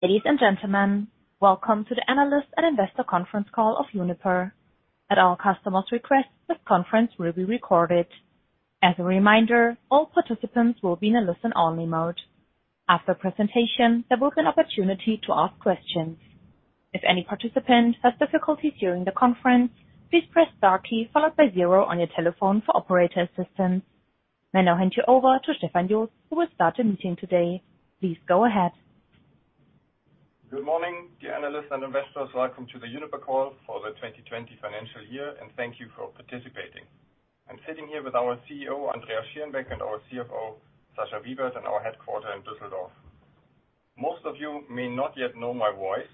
Ladies and gentlemen, welcome to the analyst and investor conference call of Uniper. At our customer's request, this conference will be recorded. As a reminder, all participants will be in a listen-only mode. After the presentation, there will be an opportunity to ask questions. If any participant has difficulties during the conference, please press star key followed by zero on your telephone for operator assistance. I now hand you over to Stefan Jost, who will start the meeting today. Please go ahead. Good morning, dear analysts and investors. Welcome to the Uniper call for the 2020 financial year. Thank you for participating. I'm sitting here with our CEO, Andreas Schierenbeck, and our CFO, Sascha Bibert, in our headquarters in Düsseldorf. Most of you may not yet know my voice.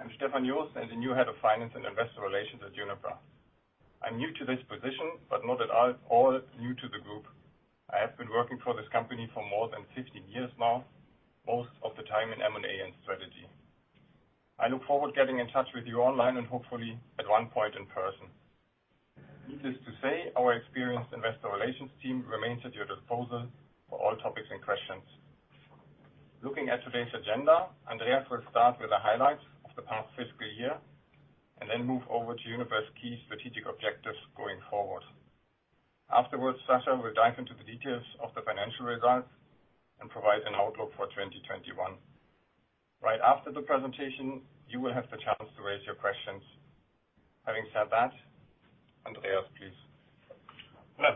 I'm Stefan Jost; I'm the new Head of Finance and Investor Relations at Uniper. I'm new to this position, not at all new to the group. I have been working for this company for more than 15 years now, most of the time in M&A and strategy. I look forward to getting in touch with you online and hopefully at one point in person. Needless to say, our experienced investor relations team remains at your disposal for all topics and questions. Looking at today's agenda, Andreas will start with the highlights of the past fiscal year and then move over to Uniper's key strategic objectives going forward. Afterwards, Sascha will dive into the details of the financial results and provide an outlook for 2021. Right after the presentation, you will have the chance to raise your questions. Having said that, Andreas, please.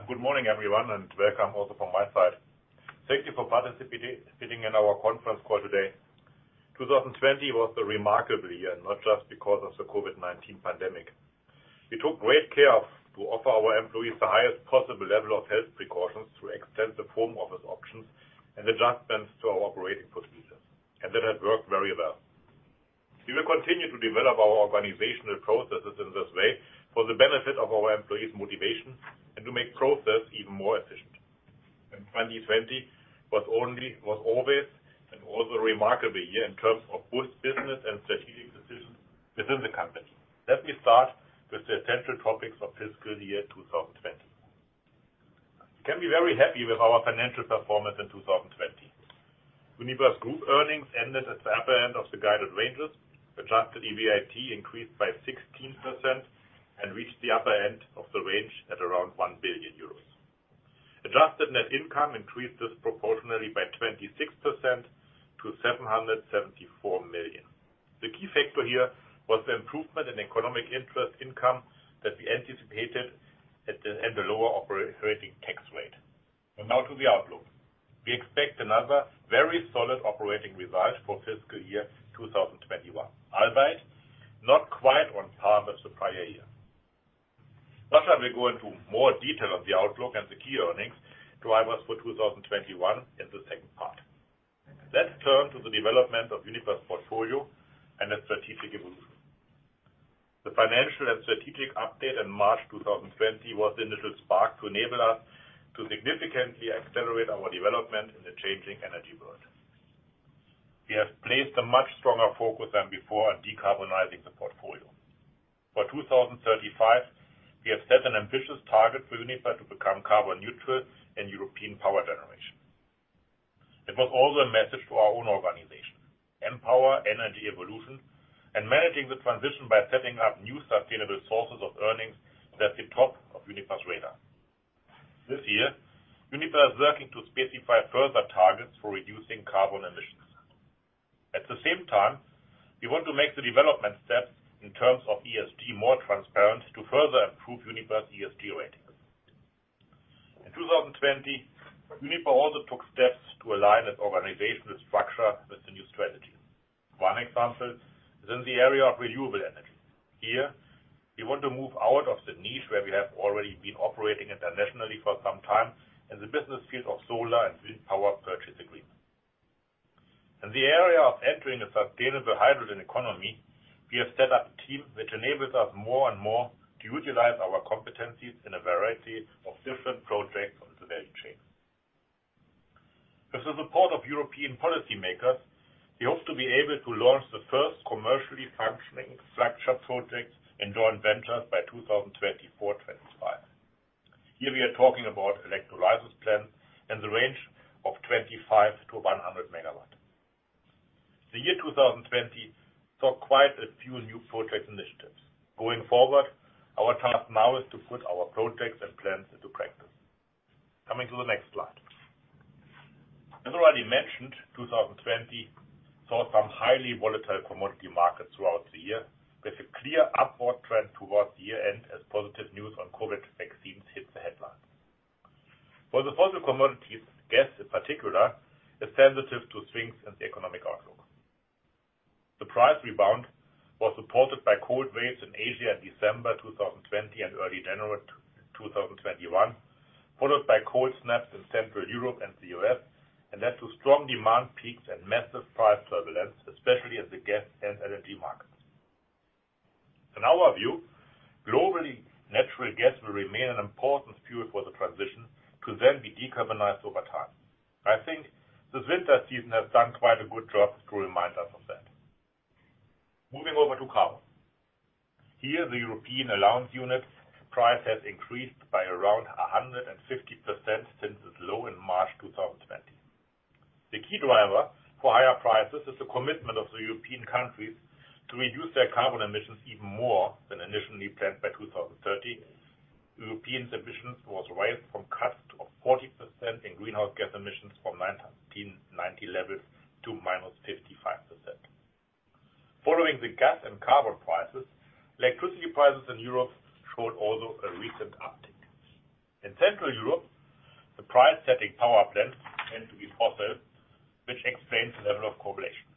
Good morning, everyone, and welcome also from my side. Thank you for participating in our conference call today. 2020 was a remarkable year, not just because of the COVID-19 pandemic. We took great care to offer our employees the highest possible level of health precautions through extensive home office options and adjustments to our operating procedures. That has worked very well. We will continue to develop our organizational processes in this way for the benefit of our employees' motivation and to make processes even more efficient. 2020 was always also a remarkable year in terms of both business and strategic decisions within the company. Let me start with the central topics of fiscal year 2020. We can be very happy with our financial performance in 2020. Uniper's group earnings ended at the upper end of the guided ranges. Adjusted EBIT increased by 16% and reached the upper end of the range at around 1 billion euros. Adjusted net income increased disproportionately by 26% to 774 million. The key factor here was the improvement in economic interest income that we anticipated and the lower operating tax rate. Now to the outlook. We expect another very solid operating result for fiscal year 2021, albeit not quite on par with the prior year. Sascha will go into more detail of the outlook and the key earnings drivers for 2021 in the second part. Let's turn to the development of Uniper's portfolio and the strategic evolution. The financial and strategic update in March 2020 was the initial spark to enable us to significantly accelerate our development in the changing energy world. We have placed a much stronger focus than before on decarbonizing the portfolio. For 2035, we have set an ambitious target for Uniper to become carbon neutral in European power generation. It was also a message to our own organization, empower energy evolution, and managing the transition by setting up new sustainable sources of earnings that's the top of Uniper's radar. This year, Uniper is working to specify further targets for reducing carbon emissions. At the same time, we want to make the development steps in terms of ESG more transparent to further improve Uniper's ESG rating. In 2020, Uniper also took steps to align its organizational structure with the new strategy. One example is in the area of renewable energy. Here, we want to move out of the niche where we have already been operating internationally for some time in the business field of solar and wind power purchase agreements. In the area of entering the sustainable hydrogen economy, we have set up a team which enables us more and more to utilize our competencies in a variety of different projects on the value chain. With the support of European policymakers, we hope to be able to launch the first commercially functioning structure projects in joint ventures by 2024, 2025. Here we are talking about electrolysis plants in the range of 25-100 MW. The year 2020 saw quite a few new project initiatives. Going forward, our task now is to put our projects and plans into practice. Coming to the next slide. As already mentioned, 2020 saw some highly volatile commodity markets throughout the year, with a clear upward trend towards the year-end as positive news on COVID vaccines hit the headlines. For the fossil commodities, gas, in particular, is sensitive to swings in the economic outlook. The price rebound was supported by cold waves in Asia in December 2020 and early January 2021, followed by cold snaps in Central Europe and the U.S., and that to strong demand peaks and massive price turbulence, especially in the gas and LNG markets. In our view, globally, natural gas will remain an important fuel for the transition to then be decarbonized over time. I think this winter season has done quite a good job to remind us of that. Moving over to carbon. Here, the European allowance units' price has increased by around 150% since its low in March 2020. The key driver for higher prices is the commitment of the European countries to reduce their carbon emissions even more than initially planned by 2030. European ambitions were raised from cuts of 40% in greenhouse gas emissions from 1990 levels to -55%. Following the gas and carbon prices, electricity prices in Europe also showed a recent uptick. In Central Europe, the price-setting power plants tend to be fossil, which explains the level of correlation.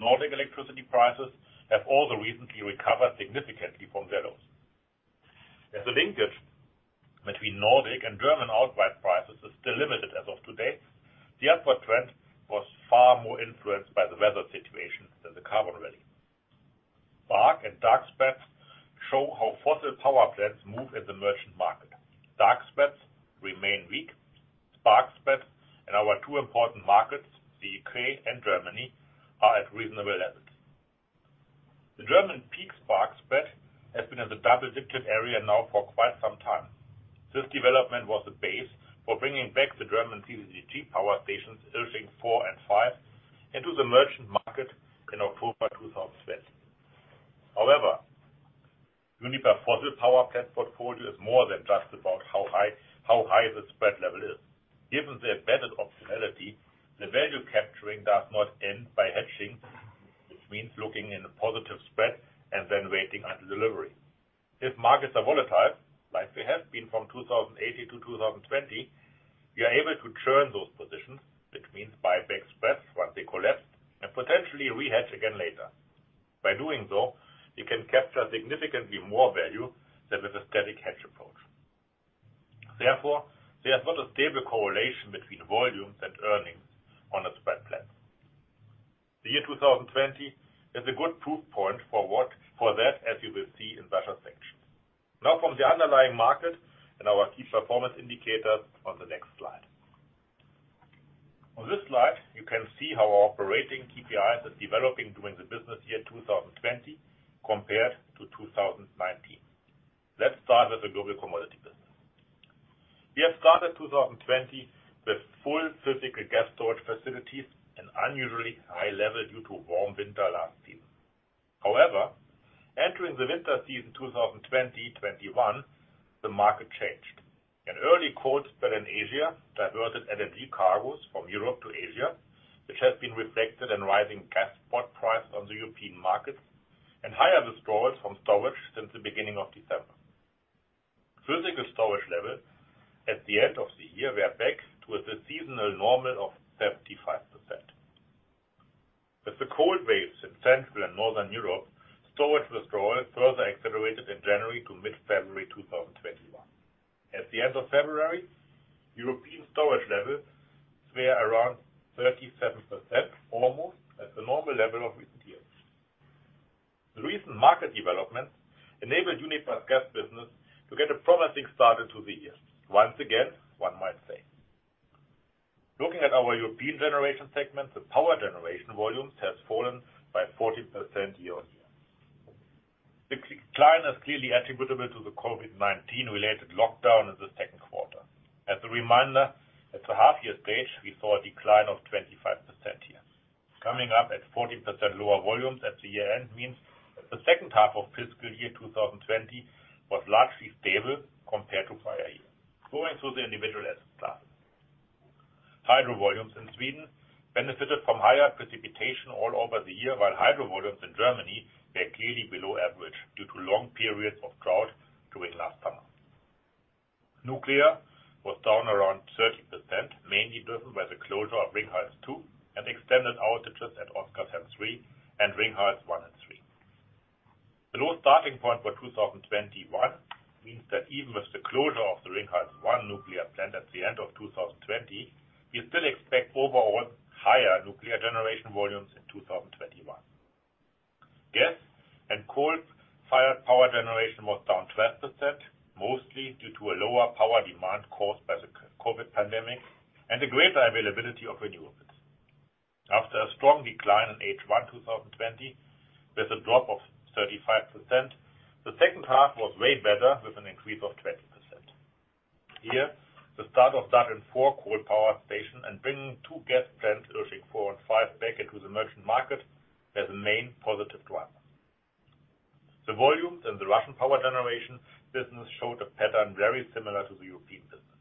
Nordic electricity prices have also recently recovered significantly from lows. As a linkage between Nordic and German outright prices is still limited as of date, the upward trend was far more influenced by the weather situation than the carbon rally. Spark and dark spreads show how fossil power plants move at the merchant market. Dark spreads remain weak. Spark spreads in our two important markets, the U.K. and Germany, are at reasonable levels. The German peak spark spread has been in the double-digit area now for quite some time. This development was the base for bringing back the German CCGT power stations, Irsching 4 and 5, into the merchant market in October 2020. Uniper's fossil power plant portfolio is more than just about how high the spread level is. Given their better optionality, the value capturing does not end by hedging, which means looking for a positive spread and then waiting for delivery. If markets are volatile, like they have been from 2018 to 2020, you are able to churn those positions, which means buying back spreads once they collapse and potentially re-hedging again later. By doing so, you can capture significantly more value than with a static hedge approach. There is not a stable correlation between volumes and earnings on a spread plan. The year 2020 is a good proof point for that, as you will see in further sections. From the underlying market and our key performance indicators on the next slide. On this slide, you can see how our operating KPIs are developing during the business year 2020 compared to 2019. Let's start with the global commodity business. We have started 2020 with full physical gas storage facilities, an unusually high level due to a warm winter last season. However, entering the winter season of 2020/21, the market changed. An early cold spell in Asia diverted LNG cargos from Europe to Asia, which has been reflected in rising gas spot prices on the European markets and higher withdrawals from storage since the beginning of December. Physical storage levels at the end of the year were back to the seasonal normal of 75%. With the cold waves in Central and Northern Europe, storage withdrawal further accelerated in January to mid-February 2021. At the end of February, European storage levels were around 37%, almost at the normal level of recent years. The recent market developments enabled Uniper's gas business to get a promising start into the year. Once again, one might say. Looking at our European generation segment, the power generation volumes have fallen by 40% year-over-year. The decline is clearly attributable to the COVID-19-related lockdown in the second quarter. As a reminder, at the half-year stage, we saw a decline of 25% here. Coming up at 40% lower volumes at the year-end means that the second half of fiscal year 2020 was largely stable compared to the prior year. Going through the individual asset classes. Hydro volumes in Sweden benefited from higher precipitation all over the year, while hydro volumes in Germany were clearly below average due to long periods of drought during last summer. Nuclear was down around 30%, mainly driven by the closure of Ringhals 2 and extended outages at Oskarshamn 3 and Ringhals 1 and 3. The low starting point for 2021 means that even with the closure of the Ringhals 1 nuclear plant at the end of 2020, we still expect overall higher nuclear generation volumes in 2021. Gas and coal-fired power generation was down 12%, mostly due to a lower power demand caused by the COVID pandemic and a greater availability of renewables. After a strong decline in H1 2020 with a drop of 35%, the second half was way better with an increase of 20%. Here, the start of Datteln 4 coal power station and bringing two gas plants, Irsching 4 and 5, back into the merchant market as the main positive driver. The volumes in the Russian power generation business showed a pattern very similar to the European business.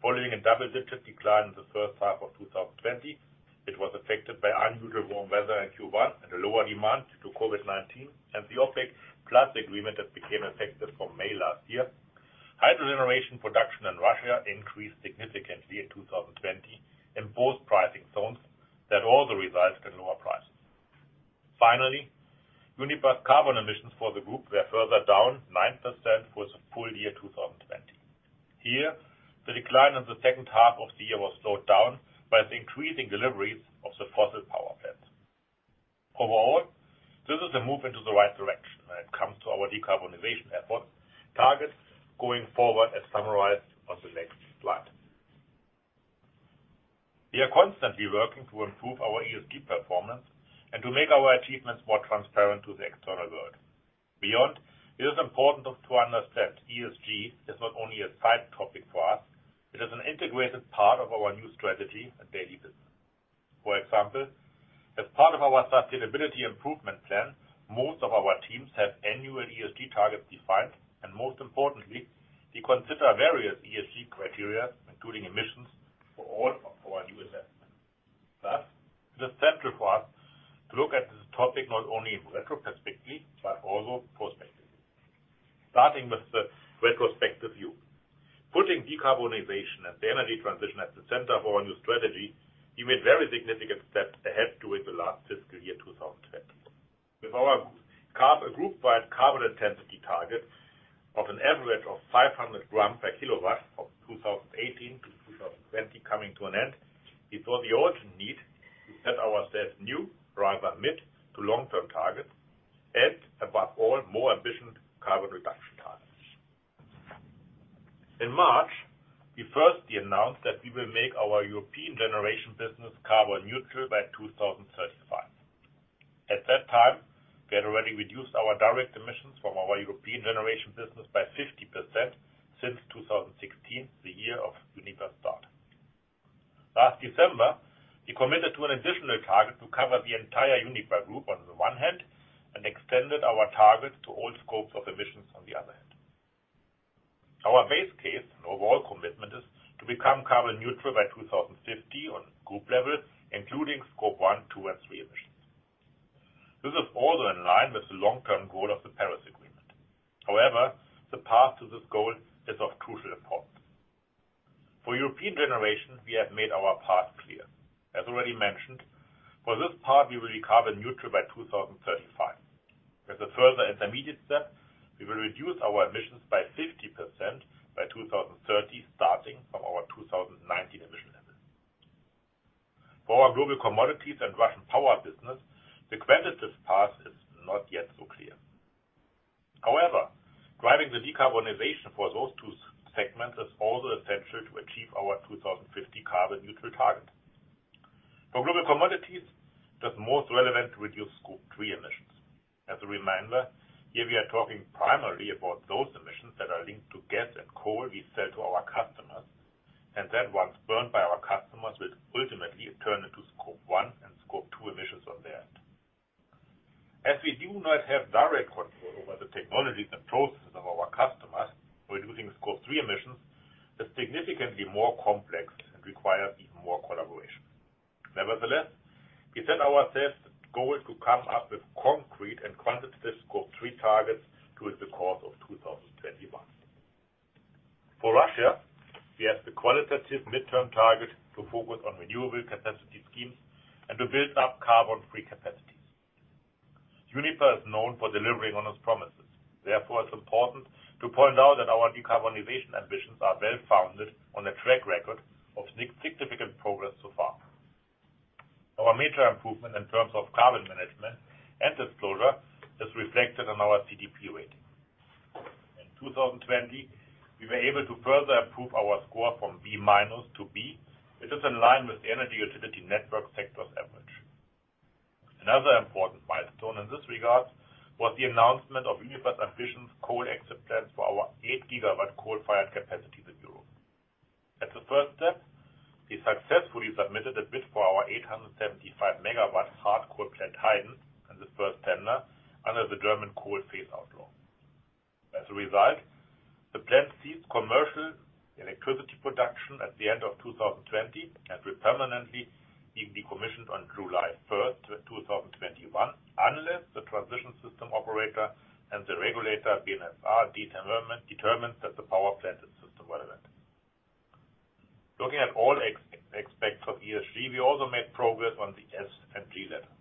Following a double-digit decline in the first half of 2020, it was affected by unusual warm weather in Q1 and a lower demand due to COVID-19 and the OPEC+ agreement that became effective from May last year. Hydro generation production in Russia increased significantly in 2020 in both pricing zones, which also results in lower prices. Uniper's carbon emissions for the group were further down 9% for the full year 2020. Here, the decline in the second half of the year was slowed down by the increasing deliveries of the fossil power plants. This is a move into the right direction when it comes to our decarbonization efforts and targets going forward, as summarized on the next slide. We are constantly working to improve our ESG performance and to make our achievements more transparent to the external world. It is important to understand ESG is not only a side topic for us; it is an integrated part of our new strategy and daily business. As part of our sustainability improvement plan, most of our teams have annual ESG targets defined; most importantly, we consider various ESG criteria, including emissions, for all of our new assessments. It is central for us to look at this topic not only retrospectively but also prospectively. Starting with the retrospective view. Putting decarbonization and the energy transition at the center of our new strategy, we made very significant steps ahead during the last fiscal year, 2020. With our group-wide carbon intensity target of an average of 500 grams per kilowatt from 2018-2020 coming to an end, we saw the urgent need to set ourselves new rather than mid- to long-term targets and, above all, more ambitious carbon reduction targets. In March, we firstly announced that we will make our European generation business carbon neutral by 2035. At that time, we had already reduced our direct emissions from our European generation business by 50% since 2016, the year of Uniper's start. Last December, we committed to an additional target to cover the entire Uniper Group on the one hand and extended our target to all scopes of emissions on the other hand. Our base case and overall commitment is to become carbon neutral by 2050 on a group level, including Scope 1, 2, and 3 emissions. This is also in line with the long-term goal of the Paris Agreement. However, the path to this goal is of crucial importance. For European generation, we have made our path clear. As already mentioned, for this part, we will be carbon neutral by 2035. As a further intermediate step, we will reduce our emissions by 50% by 2030, starting from our 2019 emission levels. For our global commodities and Russian power business, the quantitative path is not yet so clear. However, driving the decarbonization for those two segments is also essential to achieve our 2050 carbon neutral target. For global commodities, that's most relevant to reduce Scope 3 emissions. As a reminder, here we are talking primarily about those emissions that are linked to gas and coal we sell to our customers, and then once burned by our customers, will ultimately turn into Scope 1 and Scope 2 emissions on the end. As we do not have direct control over the technologies and processes of our customers, reducing Scope 3 emissions is significantly more complex and requires even more collaboration. Nevertheless, we set ourselves the goal to come up with concrete and quantitative Scope 3 targets during the course of 2021. For Russia, we have the qualitative midterm target to focus on renewable capacity schemes and to build up carbon-free capacities. Uniper is known for delivering on its promises. Therefore, it's important to point out that our decarbonization ambitions are well-founded on a track record of significant progress so far. Our major improvement in terms of carbon management and disclosure is reflected on our CDP rating. In 2020, we were able to further improve our score from B- to B, which is in line with the energy utility network sector's average. Another important milestone in this regard was the announcement of Uniper's ambitious coal exit plans for our 8 GW coal-fired capacities in Europe. As a first step, we successfully submitted a bid for our 875 MW hard coal plant, Heyden, in the first tender under the German coal phase-out law. As a result, the plant ceased commercial electricity production at the end of 2020, and will permanently be decommissioned on July 1st, 2021, unless the transmission system operator and the regulator, BNetzA, determine that the power plant is system relevant. Looking at all aspects of ESG, we also made progress on the S and G levels.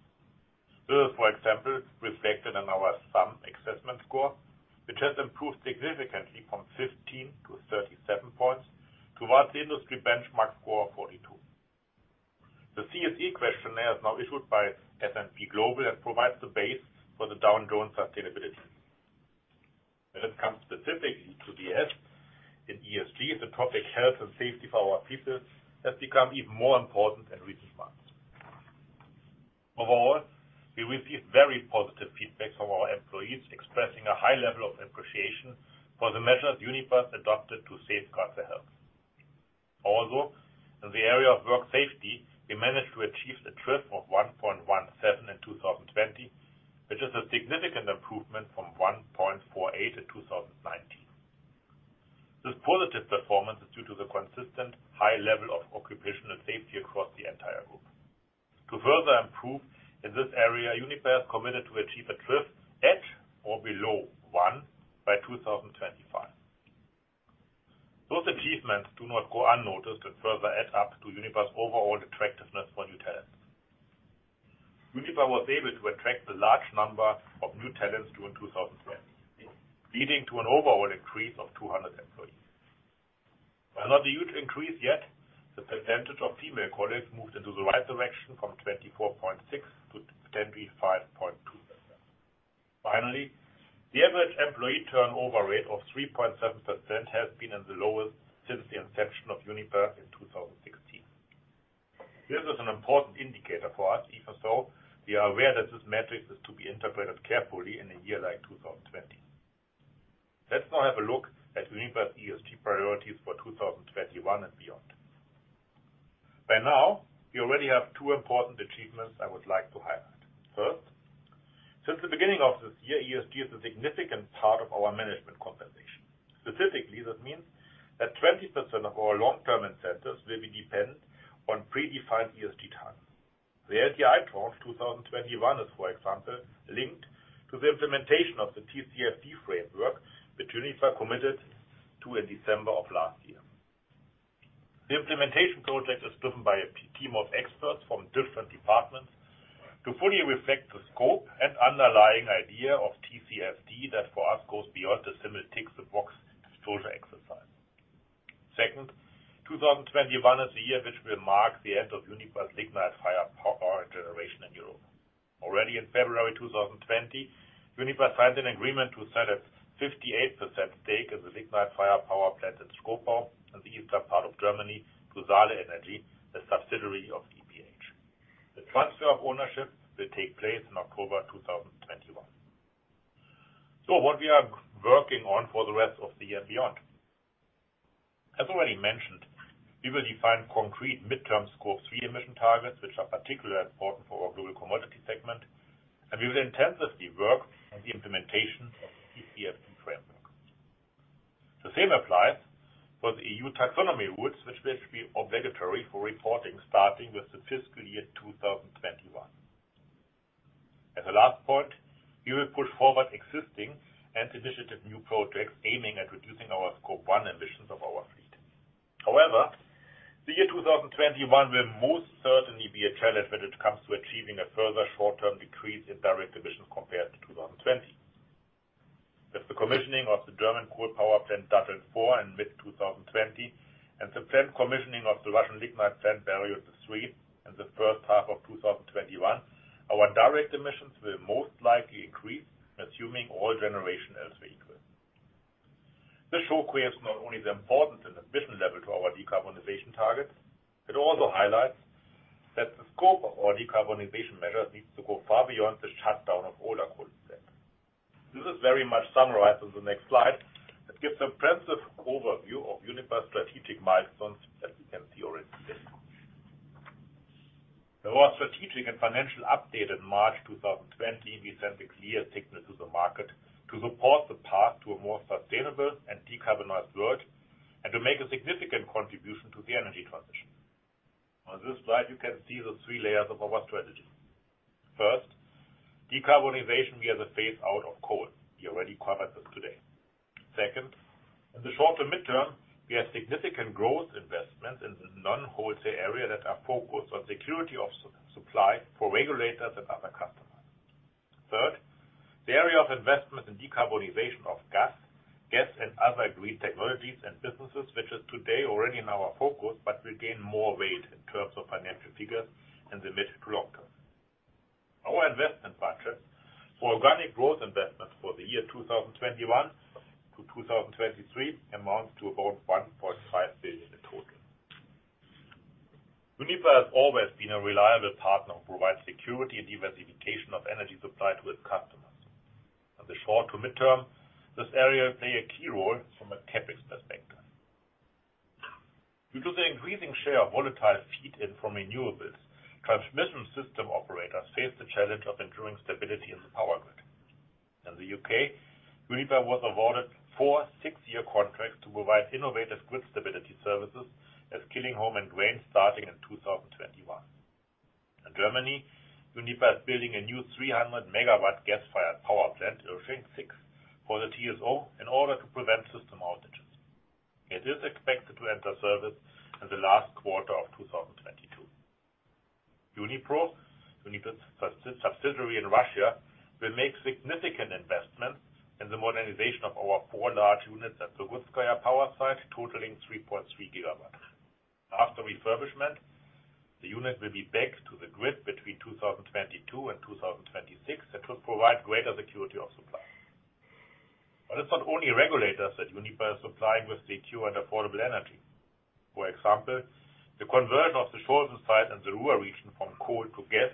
This is, for example, reflected in our SAM assessment score, which has improved significantly from 15-37 points towards the industry benchmark score of 42. The CSA questionnaire is now issued by S&P Global and provides the base for the Dow Jones Sustainability. When it comes specifically to the S in ESG, the topic of health and safety for our people has become even more important in recent months. Overall, we receive very positive feedback from our employees, expressing a high level of appreciation for the measures Uniper has adopted to safeguard their health. Also, in the area of work safety, we managed to achieve a TRIF of 1.17 in 2020, which is a significant improvement from 1.48 in 2019. This positive performance is due to the consistent high level of occupational safety across the entire group. To further improve in this area, Uniper has committed to achieve a TRIF at or below one by 2025. Those achievements do not go unnoticed and further add up to Uniper's overall attractiveness for new talents. Uniper was able to attract a large number of new talents during 2020, leading to an overall increase of 200 employees. While not a huge increase yet, the percentage of female colleagues moved in the right direction from 24.6%-25.2%. Finally, the average employee turnover rate of 3.7% has been at the lowest since the inception of Uniper in 2016. Even so, we are aware that this metric is to be interpreted carefully in a year like 2020. Let's now have a look at Uniper's ESG priorities for 2021 and beyond. By now, we already have two important achievements I would like to highlight. First, since the beginning of this year, ESG is a significant part of our management compensation. Specifically, that means that 20% of our long-term incentives will be dependent on predefined ESG targets. The LTI for 2021 is, for example, linked to the implementation of the TCFD framework that Uniper committed to in December of last year. The implementation project is driven by a team of experts from different departments to fully reflect the scope and underlying idea of TCFD that, for us, goes beyond the similar tick-the-box disclosure exercise. Second, 2021 is the year that will mark the end of Uniper's lignite-fired power generation in Europe. Already in February 2020, Uniper signed an agreement to sell a 58% stake in the lignite-fired power plant in Schkopau in the eastern part of Germany to Saale Energie, a subsidiary of EPH. The transfer of ownership will take place in October 2021. What we are working on for the rest of the year beyond. As already mentioned, we will define concrete midterm Scope 3 emission targets, which are particularly important for our Global Commodities segment, and we will intensively work on the implementation of the TCFD framework. The same applies for the EU taxonomy rules, which will be obligatory for reporting starting with the fiscal year 2021. As a last point, we will push forward existing and initiative new projects aiming at reducing our Scope 1 emissions of our fleet. The year 2021 will most certainly be a challenge when it comes to achieving a further short-term decrease in direct emissions compared to 2020. With the commissioning of the German coal power plant Datteln 4 in mid-2020 and the planned commissioning of the Russian lignite plant Berezovskaya 3 in the first half of 2021, our direct emissions will most likely increase assuming all generation else were equal. This shows clearly not only the importance and ambition level of our decarbonization targets, but also highlights that the scope of our decarbonization measures needs to go far beyond the shutdown of older coal plants. This is very much summarized on the next slide. It gives a comprehensive overview of Uniper's strategic milestones that we can see already today. In our strategic and financial update in March 2020, we sent a clear signal to the market to support the path to a more sustainable and decarbonized world and to make a significant contribution to the energy transition. On this slide, you can see the three layers of our strategy. First, decarbonization via the phase-out of coal. We already covered this today. Second, in the short to midterm, we have significant growth investments in the non-wholesale area that are focused on security of supply for regulators and other customers. Third, the area of investment in decarbonization of gas and other green technologies and businesses, which is today already in our focus but will gain more weight in terms of financial figures in the mid- to long-term. Our investment budget for organic growth investments for the years 2021 to 2023 amounts to about 1.5 billion in total. Uniper has always been a reliable partner who provides security and diversification of energy supply to its customers. In the short to term, this area will play a key role from a CapEx perspective. Due to the increasing share of volatile feed-in from renewables, transmission system operators face the challenge of ensuring stability in the power grid. In the U.K., Uniper was awarded four six-year contracts to provide innovative grid stability services as Killingholme and Grain starting in 2021. In Germany, Uniper is building a new 300 MW gas-fired power plant, Irsching 6, for the TSO in order to prevent system outages. It is expected to enter service in the last quarter of 2022. Unipro, Uniper's subsidiary in Russia, will make significant investments in the modernization of our four large units at the Surgutskaya power site, totaling 3.3 GW. After refurbishment, the unit will be back to the grid between 2022 and 2026 and could provide greater security of supply. It's not only regulators that Uniper is supplying with secure and affordable energy. For example, the conversion of the Scholven site in the Ruhr region from coal to gas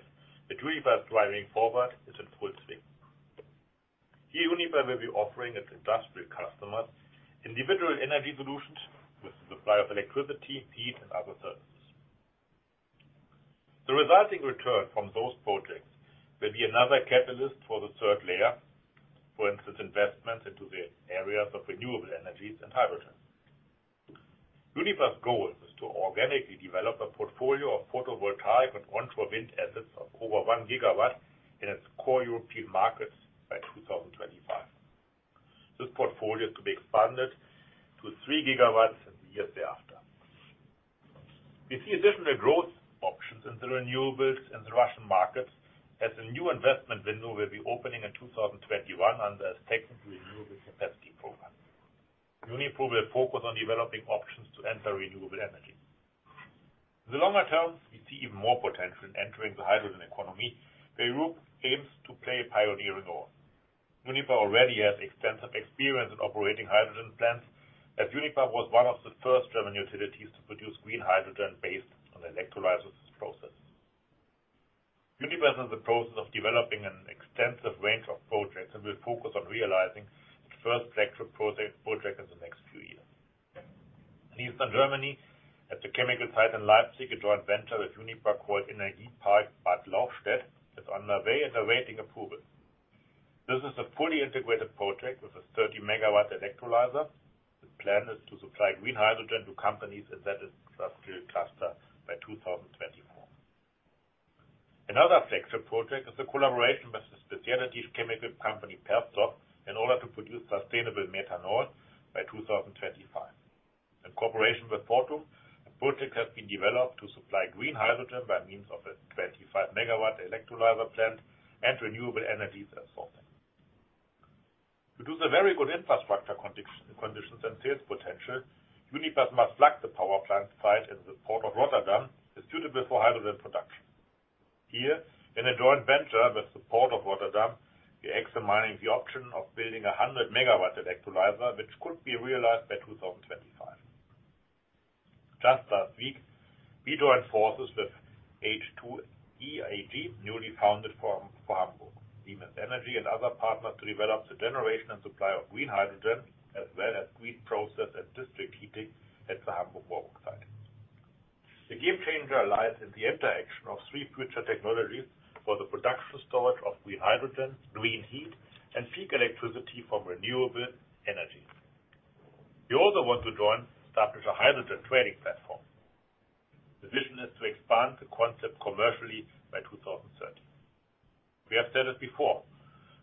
that Uniper is driving forward is in full swing. Here, Uniper will be offering its industrial customers individual energy solutions with the supply of electricity, heat, and other services. The resulting return from those projects will be another catalyst for the third layer, for instance, investments into the areas of renewable energies and hydrogen. Uniper's goal is to organically develop a portfolio of photovoltaic and onshore wind assets of over one gigawatt in its core European markets by 2025. This portfolio is to be expanded to three gigawatts in the years thereafter. We see additional growth options in renewables in the Russian market, as a new investment window will be opening in 2021 under CSA program. Uniper will focus on developing options to enter renewable energy. In the longer term, we see even more potential in entering the hydrogen economy, where Europe aims to play a pioneering role. Uniper already has extensive experience in operating hydrogen plants, as Uniper was one of the first German utilities to produce green hydrogen based on the electrolysis process. Uniper is in the process of developing an extensive range of projects and will focus on realizing its first electrolyzer project in the next few years. In Eastern Germany, at the chemical site in Leuna, a joint venture with Uniper called Energiepark Bad Lauchstädt is underway and awaiting approval. This is a fully integrated project with a 30 MW electrolyzer. The plan is to supply green hydrogen to companies in that industrial cluster by 2024. Another flagship project is a collaboration with the specialty chemical company Perstorp in order to produce sustainable methanol by 2025. In cooperation with Fortum, a project has been developed to supply green hydrogen by means of a 25 MW electrolyzer plant and renewable energy sources. Due to the very good infrastructure conditions and sales potential, Uniper has marked the power plant site in the Port of Rotterdam as suitable for hydrogen production. Here, in a joint venture with the Port of Rotterdam, we are examining the option of building a 100 MW electrolyzer, which could be realized by 2025. Just last week, we joined forces with HH2e AG, a newly founded firm from Hamburg; Siemens Energy; and other partners to develop the generation and supply of green hydrogen, as well as green process and district heating at the Hamburg port site. The game changer lies in the interaction of three future technologies for the production and storage of green hydrogen, green heat, and peak electricity from renewable energy. We also want to join and establish a hydrogen trading platform. The vision is to expand the concept commercially by 2030. We have said it before: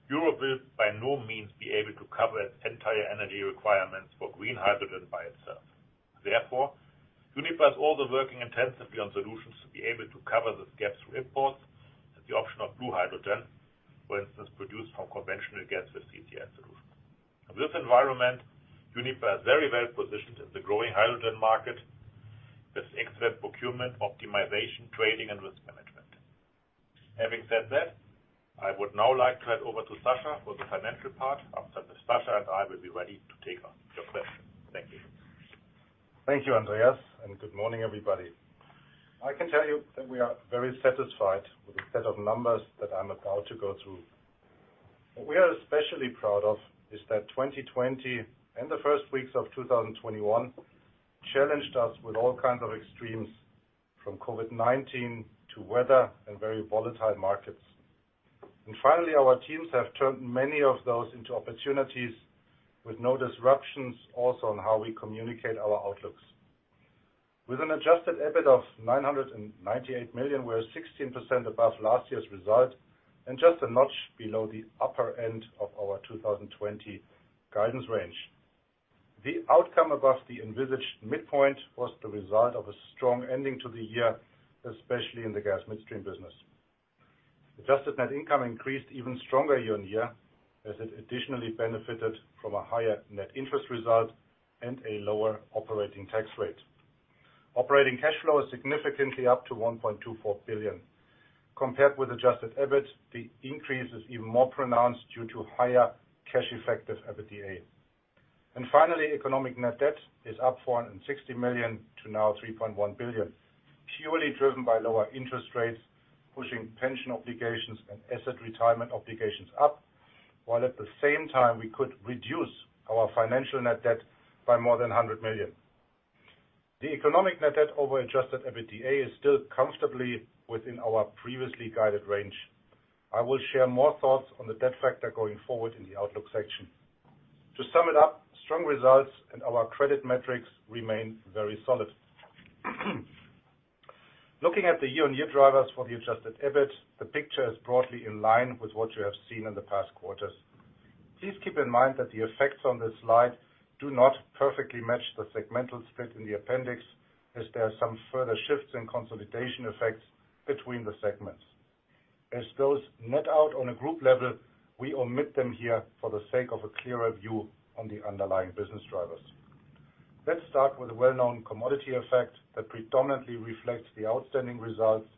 Europe will by no means be able to cover its entire energy requirements for green hydrogen by itself. Therefore, Uniper is also working intensively on solutions to be able to cover this gap through imports and the option of blue hydrogen, for instance, produced from conventional gas with CCS solutions. In this environment, Uniper is very well-positioned in the growing hydrogen market with expert procurement, optimization, trading, and risk management. Having said that, I would now like to hand over to Sascha for the financial part. After this, Sascha and I will be ready to take on your questions. Thank you. Thank you, Andreas, good morning, everybody. I can tell you that we are very satisfied with the set of numbers that I'm about to go through. What we are especially proud of is that 2020 and the first weeks of 2021 challenged us with all kinds of extremes, from COVID-19 to weather and very volatile markets. Finally, our teams have turned many of those into opportunities with no disruptions, also in how we communicate our outlooks. With an adjusted EBIT of 998 million, we are 16% above last year's result and just a notch below the upper end of our 2020 guidance range. The outcome above the envisaged midpoint was the result of a strong ending to the year, especially in the gas midstream business. Adjusted net income increased even more strongly year-over-year, as it additionally benefited from a higher net interest result and a lower operating tax rate. Operating cash flow is significantly up to 1.24 billion. Compared with adjusted EBIT, the increase is even more pronounced due to the higher cash effect of EBITDA. Finally, economic net debt is up 60 million to now 3.1 billion, purely driven by lower interest rates, pushing pension obligations and asset retirement obligations up, while at the same time, we could reduce our financial net debt by more than 100 million. The economic net debt over adjusted EBITDA is still comfortably within our previously guided range. I will share more thoughts on the debt factor going forward in the outlook section. To sum it up, strong results and our credit metrics remain very solid. Looking at the year-on-year drivers for the adjusted EBIT, the picture is broadly in line with what you have seen in the past quarters. Please keep in mind that the effects on this slide do not perfectly match the segmental split in the appendix, as there are some further shifts in consolidation effects between the segments. As those net out on a group level, we omit them here for the sake of a clearer view on the underlying business drivers. Let's start with a well-known commodity effect that predominantly reflects the outstanding results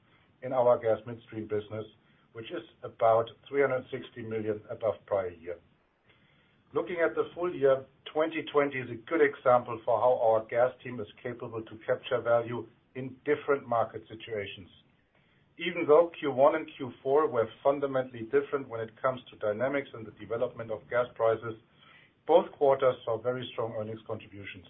in our gas midstream business, which is about 360 million above the prior year. Looking at the full year, 2020 is a good example for how our gas team is capable of capturing value in different market situations. Even though Q1 and Q4 were fundamentally different when it comes to dynamics and the development of gas prices, both quarters saw very strong earnings contributions.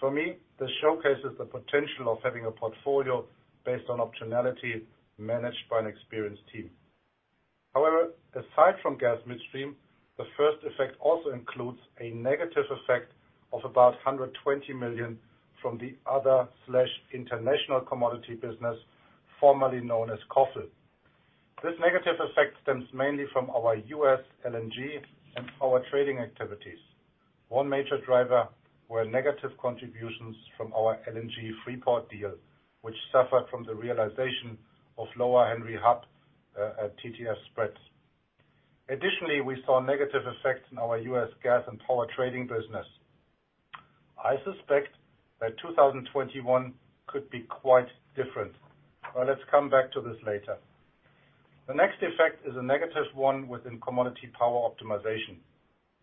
For me, this showcases the potential of having a portfolio based on optionality managed by an experienced team. Aside from gas midstream, the first effect also includes a negative effect of about 120 million from the other/international commodity business, formerly known as COFL. This negative effect stems mainly from our U.S. LNG and power trading activities. One major driver was negative contributions from our LNG Freeport deal, which suffered from the realization of lower Henry Hub TTF spreads. Additionally, we saw negative effects in our U.S. gas and power trading business. I suspect that 2021 could be quite different. Let's come back to this later. The next effect is a negative one within commodity power optimization.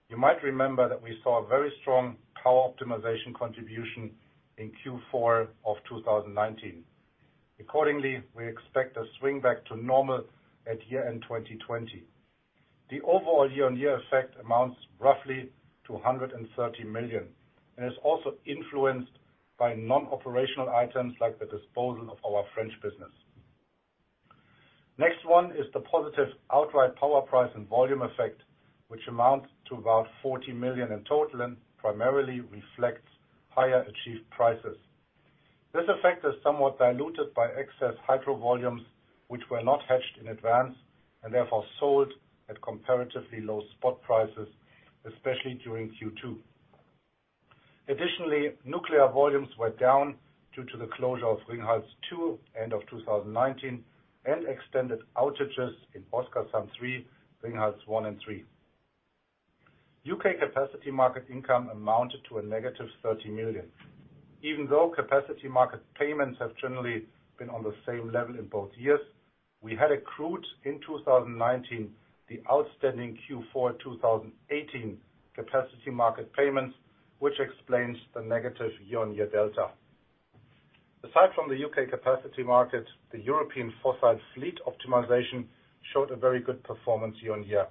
You might remember that we saw a very strong power optimization contribution in Q4 of 2019. Accordingly, we expect a swing back to normal at year-end 2020. The overall year-on-year effect amounts roughly to 130 million and is also influenced by non-operational items like the disposal of our French business. Next one is the positive outright power price and volume effect, which amounts to about 40 million in total and primarily reflects higher achieved prices. This effect is somewhat diluted by excess hydro volumes, which were not hedged in advance and therefore sold at comparatively low spot prices, especially during Q2. Additionally, nuclear volumes were down due to the closure of Ringhals 2 end of 2019 and extended outages in Oskarshamn 3, Ringhals 1 and 3. U.K. capacity market income amounted to a negative 30 million. Even though capacity market payments have generally been on the same level in both years, we had accrued in 2019 the outstanding Q4 2018 capacity market payments, which explains the negative year-on-year delta. Aside from the U.K. In the capacity market, the European fossil fleet optimization showed a very good performance year-on-year,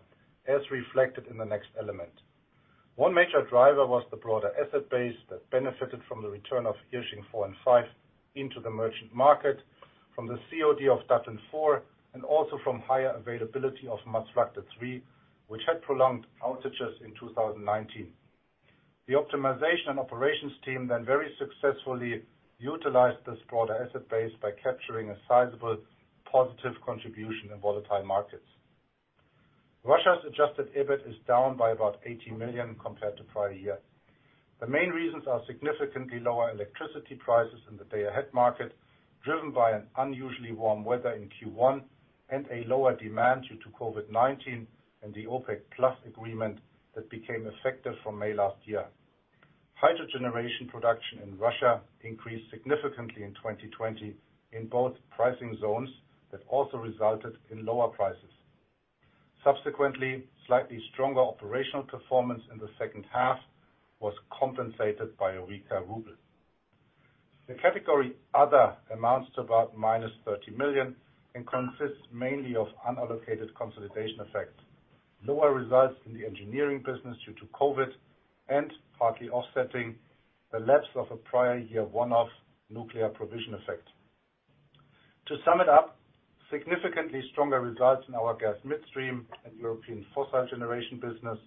as reflected in the next element. One major driver was the broader asset base that benefited from the return of Irsching 4 and 5 into the merchant market, from the COD of Datteln 4, and also from the higher availability of Maasvlakte 3, which had prolonged outages in 2019. The optimization and operations team very successfully utilized this broader asset base by capturing a sizable positive contribution in volatile markets. Russia's adjusted EBIT is down by about 80 million compared to the prior year. The main reasons are significantly lower electricity prices in the day-ahead market, driven by an unusually warm weather in Q1 and a lower demand due to COVID-19 and the OPEC+ agreement that became effective from May last year. Hydro generation production in Russia increased significantly in 2020 in both pricing zones, which also resulted in lower prices. Subsequently, slightly stronger operational performance in the second half was compensated by a weaker ruble. The category other amounts to about minus 30 million and consists mainly of unallocated consolidation effects, lower results in the engineering business due to COVID, and partly offsetting the lapse of a prior year one-off nuclear provision effect. To sum it up, significantly stronger results in our gas midstream and European fossil generation business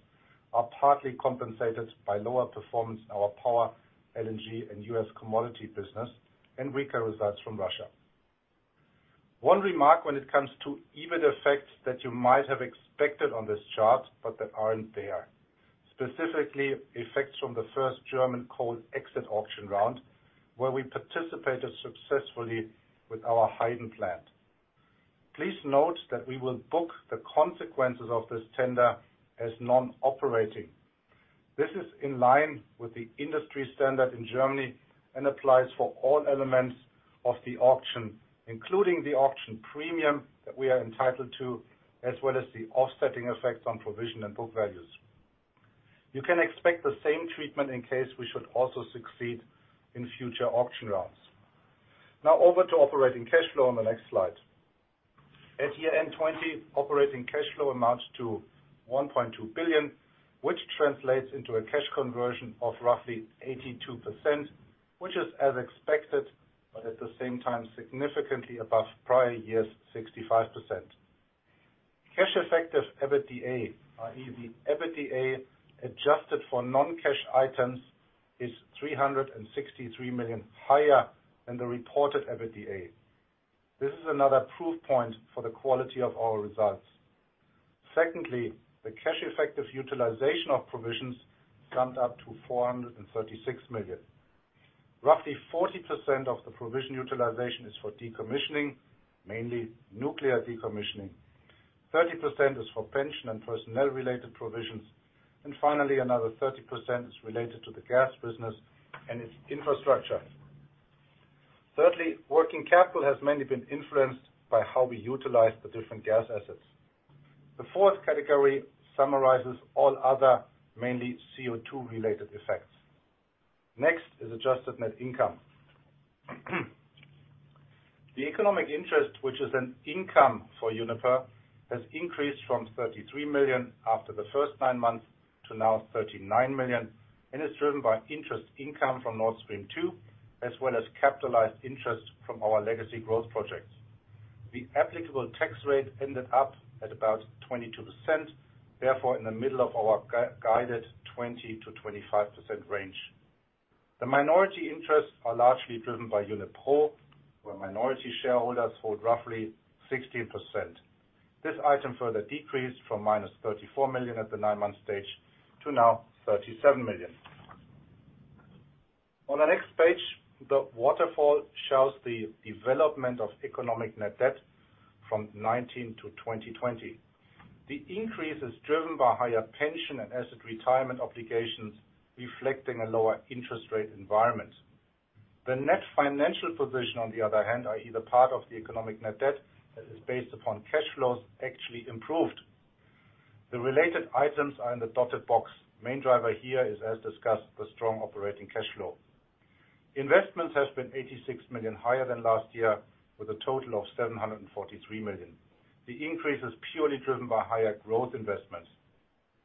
are partly compensated by lower performance in our power, LNG, and U.S. commodity business, and weaker results from Russia. One remark when it comes to EBIT effects that you might have expected on this chart but that aren't there. Specifically, effects from the first German coal exit auction round, where we participated successfully with our Heyden plant. Please note that we will book the consequences of this tender as non-operating. This is in line with the industry standard in Germany and applies to all elements of the auction, including the auction premium that we are entitled to, as well as the offsetting effects on provision and book values. You can expect the same treatment in case we should also succeed in future auction rounds. Now over to operating cash flow on the next slide. At year-end 2020, operating cash flow amounts to 1.2 billion, which translates into a cash conversion of roughly 82%, which is as expected but, at the same time, significantly above the prior year's 65%. Cash-effective EBITDA, i.e., the EBITDA adjusted for non-cash items, is 363 million higher than the reported EBITDA. This is another proof point for the quality of our results. Secondly, the cash-effective utilization of provisions summed up to 436 million. Roughly 40% of the provision utilization is for decommissioning, mainly nuclear decommissioning. 30% is for pension and personnel-related provisions. Finally, another 30% is related to the gas business and its infrastructure. Thirdly, working capital has mainly been influenced by how we utilize the different gas assets. The fourth category summarizes all other mainly CO2-related effects. Next is adjusted net income. The economic interest, which is an income for Uniper, has increased from 33 million after the first nine months to now 39 million and is driven by interest income from Nord Stream 2, as well as capitalized interest from our legacy growth projects. The applicable tax rate ended up at about 22%, therefore, in the middle of our guided 20%-25% range. The minority interests are largely driven by Unipro, where minority shareholders hold roughly 16%. This item further decreased from -34 million at the nine-month stage to now 37 million. On the next page, the waterfall shows the development of economic net debt from 2019-2020. The increase is driven by higher pension and asset retirement obligations, reflecting a lower interest rate environment. The net financial position, on the other hand, are either part of the economic net debt that is based upon cash flows actually improved. The related items are in the dotted box. Main driver here is, as discussed, the strong operating cash flow. Investments has been 86 million higher than last year, with a total of 743 million. The increase is purely driven by higher growth investments.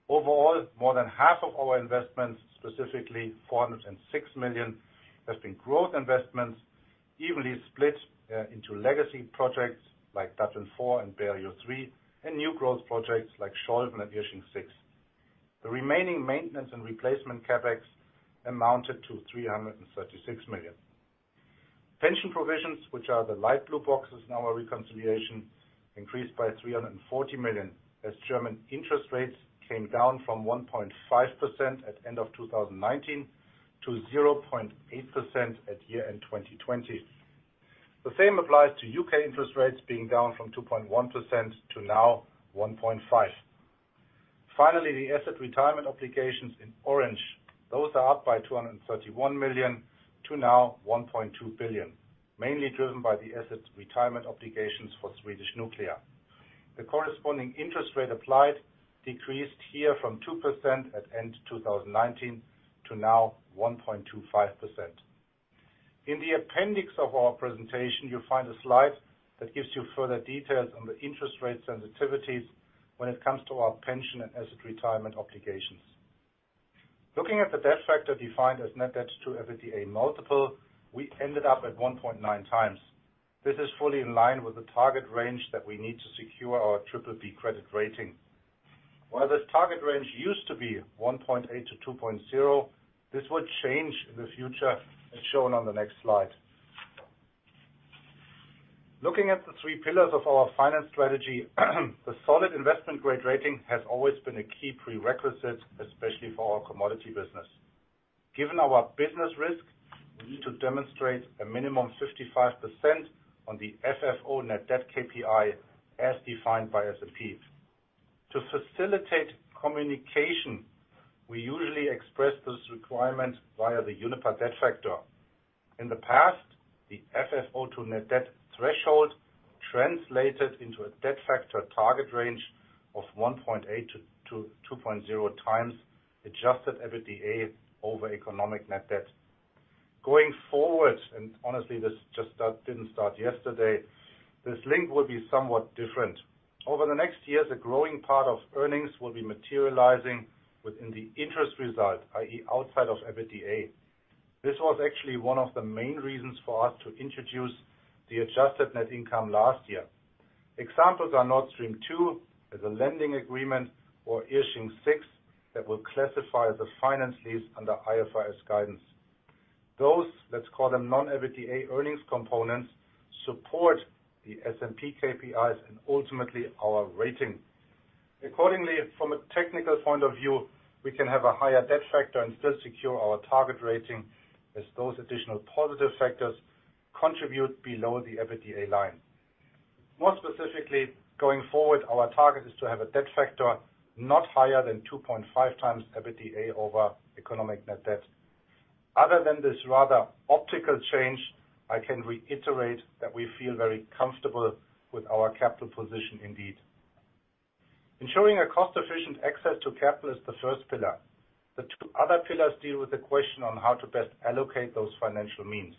Overall, more than half of our investments, specifically 406 million, have been growth investments evenly split into legacy projects like Datteln 4 and Berezovskaya 3 and new growth projects like Scholven and Irsching 6. The remaining maintenance and replacement CapEx amounted to 336 million. Pension provisions, which are the light blue boxes in our reconciliation, increased by 340 million as German interest rates came down from 1.5% at the end of 2019 to 0.8% at year-end 2020. The same applies to the U.K. interest rates being down from 2.1%-1.5%. Finally, the asset retirement obligations in orange. Those are up by 231 million to now 1.2 billion, mainly driven by the assets retirement obligations for Swedish nuclear. The corresponding interest rate applied decreased here from 2% at end 2019 to now 1.25%. In the appendix of our presentation, you'll find a slide that gives you further details on the interest rate sensitivities when it comes to our pension and asset retirement obligations. Looking at the debt factor defined as net debt to EBITDA multiple, we ended up at 1.9x. This is fully in line with the target range that we need to secure our BBB credit rating. While this target range used to be 1.8x-2.0x, this would change in the future, as shown on the next slide. Looking at the three pillars of our finance strategy, the solid investment-grade rating has always been a key prerequisite, especially for our commodity business. Given our business risk, we need to demonstrate a minimum 55% on the FFO net debt KPI as defined by S&P. To facilitate communication, we usually express this requirement via the Uniper debt factor. In the past, the FFO to net debt threshold translated into a debt factor target range of 1.8x to 2.0x adjusted EBITDA over economic net debt. Going forward, and honestly, this just didn't start yesterday, this link will be somewhat different. Over the next years, a growing part of earnings will be materializing within the interest result, i.e., outside of EBITDA. This was actually one of the main reasons for us to introduce the adjusted net income last year. Examples are Nord Stream 2 as a lending agreement or Irsching 6 that will classify as a finance lease under IFRS guidance. Those, let's call them non-EBITDA earnings components, support the S&P KPIs and ultimately our rating. Accordingly, from a technical point of view, we can have a higher debt factor and still secure our target rating as those additional positive factors contribute below the EBITDA line. More specifically, going forward, our target is to have a debt factor not higher than 2.5x EBITDA over economic net debt. Other than this rather optical change, I can reiterate that we feel very comfortable with our capital position indeed. Ensuring cost-efficient access to capital is the first pillar. The two other pillars deal with the question of how to best allocate those financial means.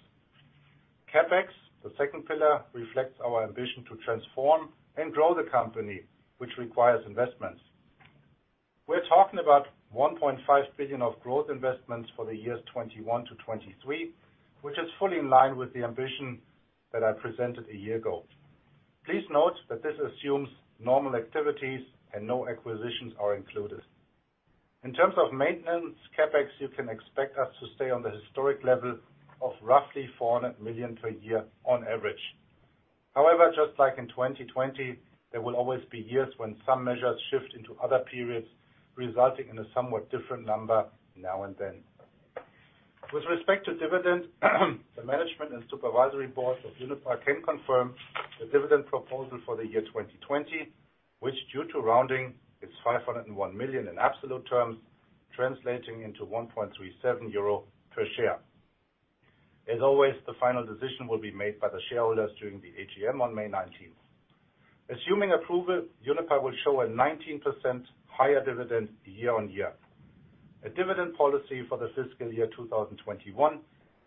CapEx, the second pillar, reflects our ambition to transform and grow the company, which requires investments. We're talking about 1.5 billion of growth investments for the years 2021-2023, which is fully in line with the ambition that I presented a year ago. Please note that this assumes normal activities and no acquisitions are included. In terms of maintenance CapEx, you can expect us to stay on the historic level of roughly 400 million per year on average. However, just like in 2020, there will always be years when some measures shift into other periods, resulting in a somewhat different number now and then. With respect to dividends, the management and supervisory board of Uniper can confirm the dividend proposal for the year 2020, which, due to rounding, is 501 million in absolute terms, translating into 1.37 euro per share. As always, the final decision will be made by the shareholders during the AGM on May 19th. Assuming approval, Uniper will show a 19% higher dividend year-on-year. A dividend policy for the fiscal year 2021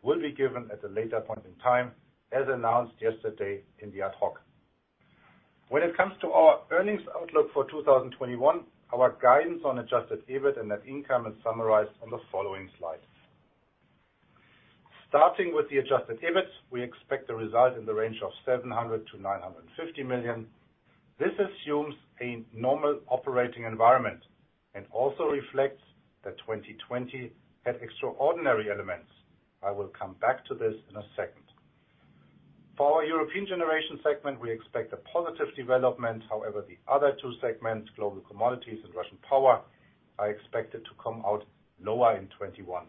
will be given at a later point in time, as announced yesterday in the ad hoc. When it comes to our earnings outlook for 2021, our guidance on adjusted EBIT and net income is summarized on the following slides. Starting with the adjusted EBIT, we expect a result in the range of 700 million-950 million. This assumes a normal operating environment and also reflects that 2020 had extraordinary elements. I will come back to this in a second. For our European generation segment, we expect a positive development. However, the other two segments, global commodities and Russian power, are expected to come out lower in 2021,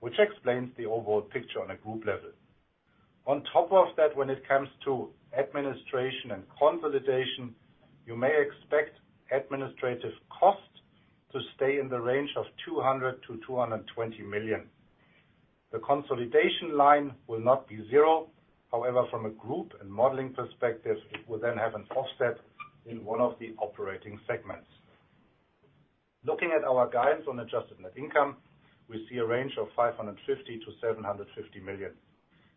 which explains the overall picture on a group level. On top of that, when it comes to administration and consolidation, you may expect administrative costs to stay in the range of 200 million-220 million. The consolidation line will not be zero. However, from a group and modeling perspective, it will then have an offset in one of the operating segments. Looking at our guidance on adjusted net income, we see a range of 550 million-750 million.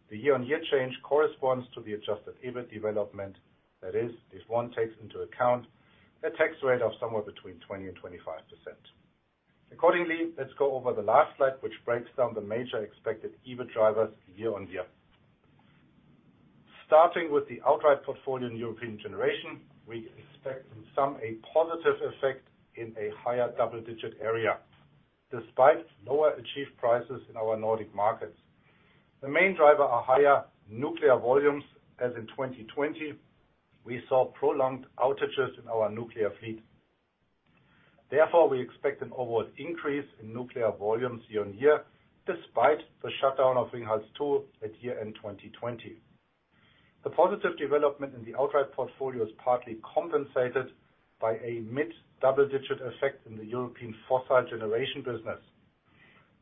The year-on-year change corresponds to the adjusted EBIT development. That is, if one takes into account a tax rate of somewhere between 20% and 25%. Let's go over the last slide, which breaks down the major expected EBIT drivers year-on-year. Starting with the outright portfolio in European generation, we expect in sum a positive effect in a higher double-digit area, despite lower achieved prices in our Nordic markets. The main driver is higher nuclear volumes, as in 2020, we saw prolonged outages in our nuclear fleet. We expect an overall increase in nuclear volumes year-on-year, despite the shutdown of Ringhals 2 at year-end 2020. The positive development in the outright portfolio is partly compensated by a mid-double-digit effect in the European fossil generation business.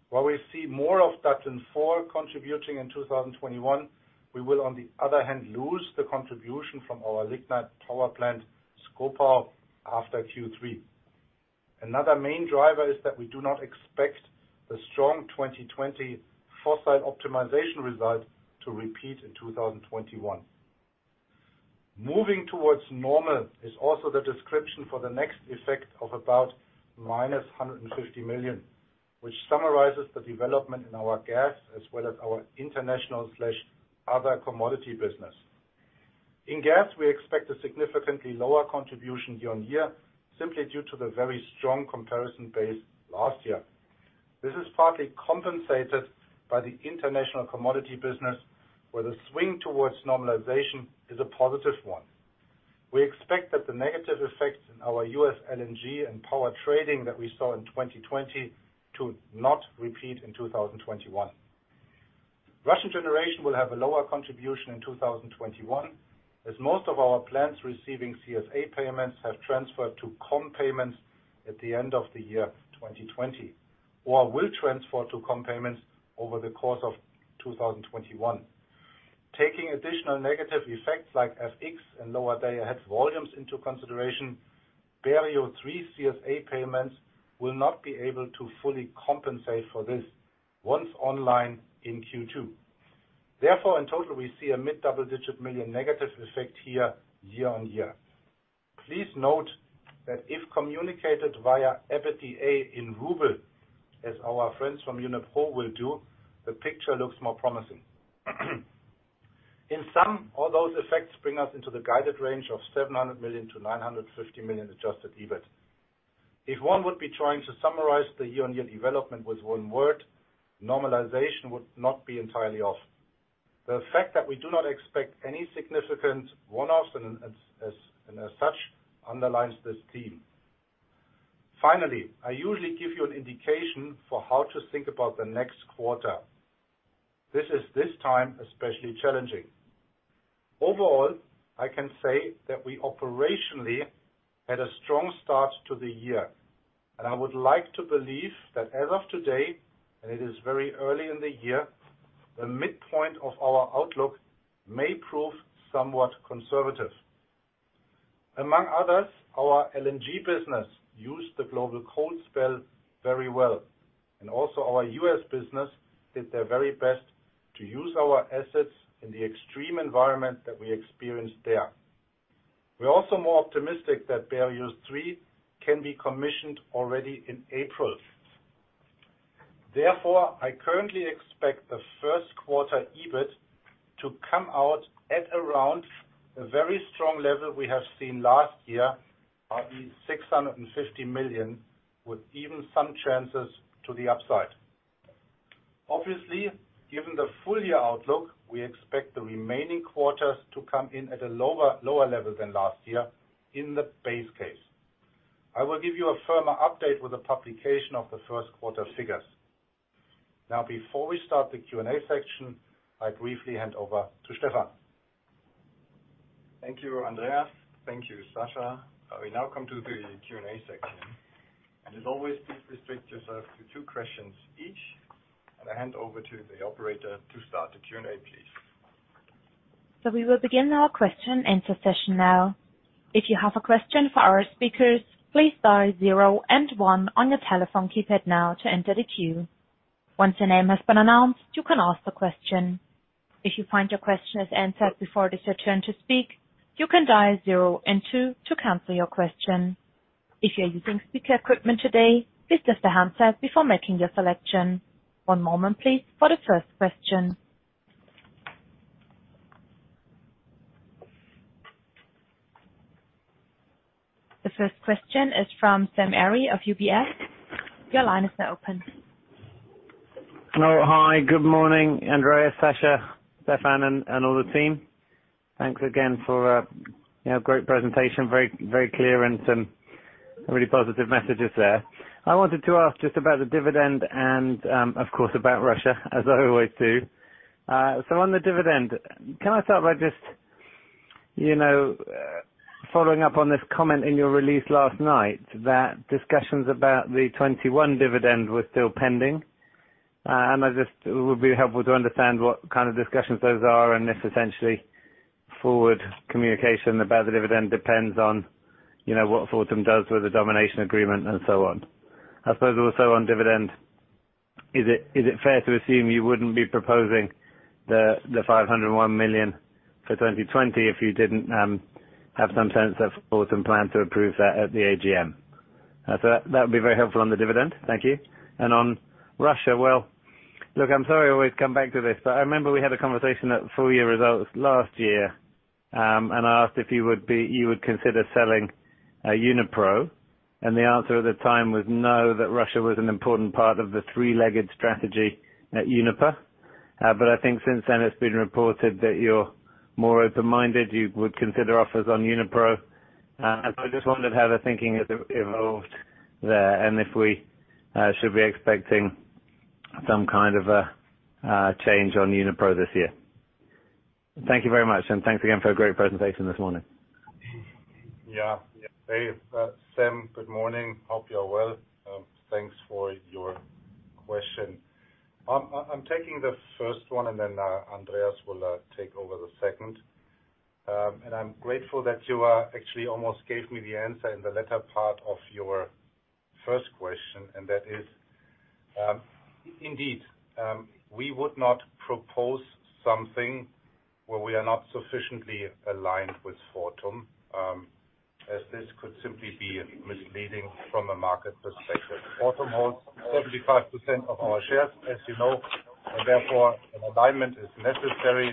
While we see more of that in four contributing in 2021, we will, on the other hand, lose the contribution from our Schkopau Lignite Power Plant after Q3. Another main driver is that we do not expect the strong 2020 fossil optimization result to repeat in 2021. Moving towards normal is also the description for the next effect of about minus 150 million, which summarizes the development in our gas as well as our international/other commodity business. In gas, we expect a significantly lower contribution year-on-year, simply due to the very strong comparison base last year. This is partly compensated by the international commodity business, where the swing towards normalization is a positive one. We expect that the negative effects in our U.S. LNG and power trading that we saw in 2020 did not repeat in 2021. The Russian generation will have a lower contribution in 2021, as most of our plants receiving CSA payments have transferred to compensation payments at the end of the year 2020 or will transfer to compensation payments over the course of 2021. Taking additional negative effects like FX and lower day-ahead volumes into consideration, Berezovskaya 3 CSA payments will not be able to fully compensate for this once online in Q2. In total, we see a mid-double-digit million negative effect here year-on-year. Please note that if communicated via EBITDA in RUB, as our friends from Uniper will do, the picture looks more promising. All those effects bring us into the guided range of 700 million-950 million adjusted EBIT. If one were to try to summarize the year-on-year development with one word, normalization would not be entirely off. I usually give you an indication of how to think about the next quarter. This is this time especially challenging. I can say that we operationally had a strong start to the year, and I would like to believe that as of today, and it is very early in the year, the midpoint of our outlook may prove somewhat conservative. Our LNG business used the global cold spell very well, and also our U.S. business did their very best to use our assets in the extreme environment that we experienced there. We are also more optimistic that Berezovskaya 3 can be commissioned already in April. Therefore, I currently expect the first quarter EBIT to come out at around a very strong level we saw last year, partly 650 million, with even some chances to the upside. Obviously, given the full year outlook, we expect the remaining quarters to come in at a lower level than last year in the base case. I will give you a firmer update with the publication of the first quarter figures. Now, before we start the Q&A section, I briefly hand over to Stefan. Thank you, Andreas. Thank you, Sascha. We now come to the Q&A section. As always, please restrict yourself to two questions each. I hand over to the operator to start the Q&A, please. The first question is from Sam Arie of UBS. Your line is now open. Hello. Hi, good morning, Andreas, Sascha, Stefan, and all the team. Thanks again for a great presentation. Very clear and some really positive messages there. I wanted to ask just about the dividend and, of course, about Russia, as I always do. On the dividend, can I start by just following up on this comment in your release last night that discussions about the 2021 dividend were still pending? It would be helpful to understand what kind of discussions those are and if essentially forward communication about the dividend depends on what Fortum does with the domination agreement and so on. I suppose also on dividend, is it fair to assume you wouldn't be proposing the 501 million for 2020 if you didn't have some sense of Fortum's plan to approve that at the AGM? That would be very helpful on the dividend. Thank you. On Russia, well, look, I'm sorry I always come back to this, but I remember we had a conversation at the full-year results last year; I asked if you would consider selling Unipro. The answer at the time was no, that Russia was an important part of the three-legged strategy at Uniper. I think since then it's been reported that you're more open-minded; you would consider offers on Unipro. I just wondered how the thinking has evolved there and if we should be expecting some kind of change on Unipro this year. Thank you very much, and thanks again for a great presentation this morning. Yeah. Hey, Sam, good morning. Hope you're well. Thanks for your question. I'm taking the first one, and then Andreas will take over the second. I'm grateful that you actually almost gave me the answer in the latter part of your first question, and that is, indeed, we would not propose something where we are not sufficiently aligned with Fortum, as this could simply be misleading from a market perspective. Fortum holds 75% of our shares, as you know, and, therefore, an alignment is necessary.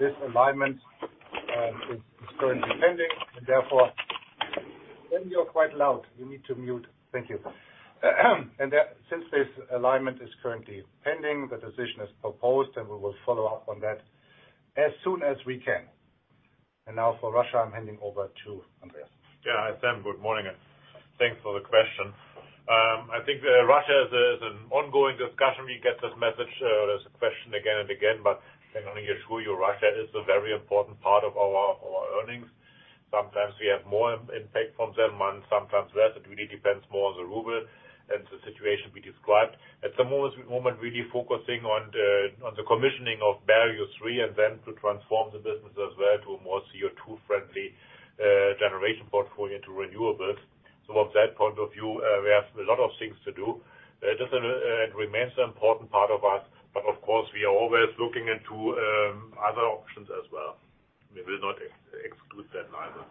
This alignment is currently pending, and therefore Sam, you're quite loud. You need to mute. Thank you. Since this alignment is currently pending, the decision is proposed, and we will follow up on that as soon as we can. Now for Russia, I'm handing over to Andreas. Yeah. Sam, good morning, and thanks for the question. I think Russia is an ongoing discussion. We get this message or this question again and again, but can only assure you Russia is a very important part of our earnings. Sometimes we have more impact from them, and sometimes less. It really depends more on the ruble and the situation we described. At the moment, really focusing on the commissioning of Berezovskaya 3, and then to transform the business as well to a more CO2-friendly generation portfolio to renewables. From that point of view, we have a lot of things to do. It remains an important part of us, but of course, we are always looking into other options as well. We will not exclude that either.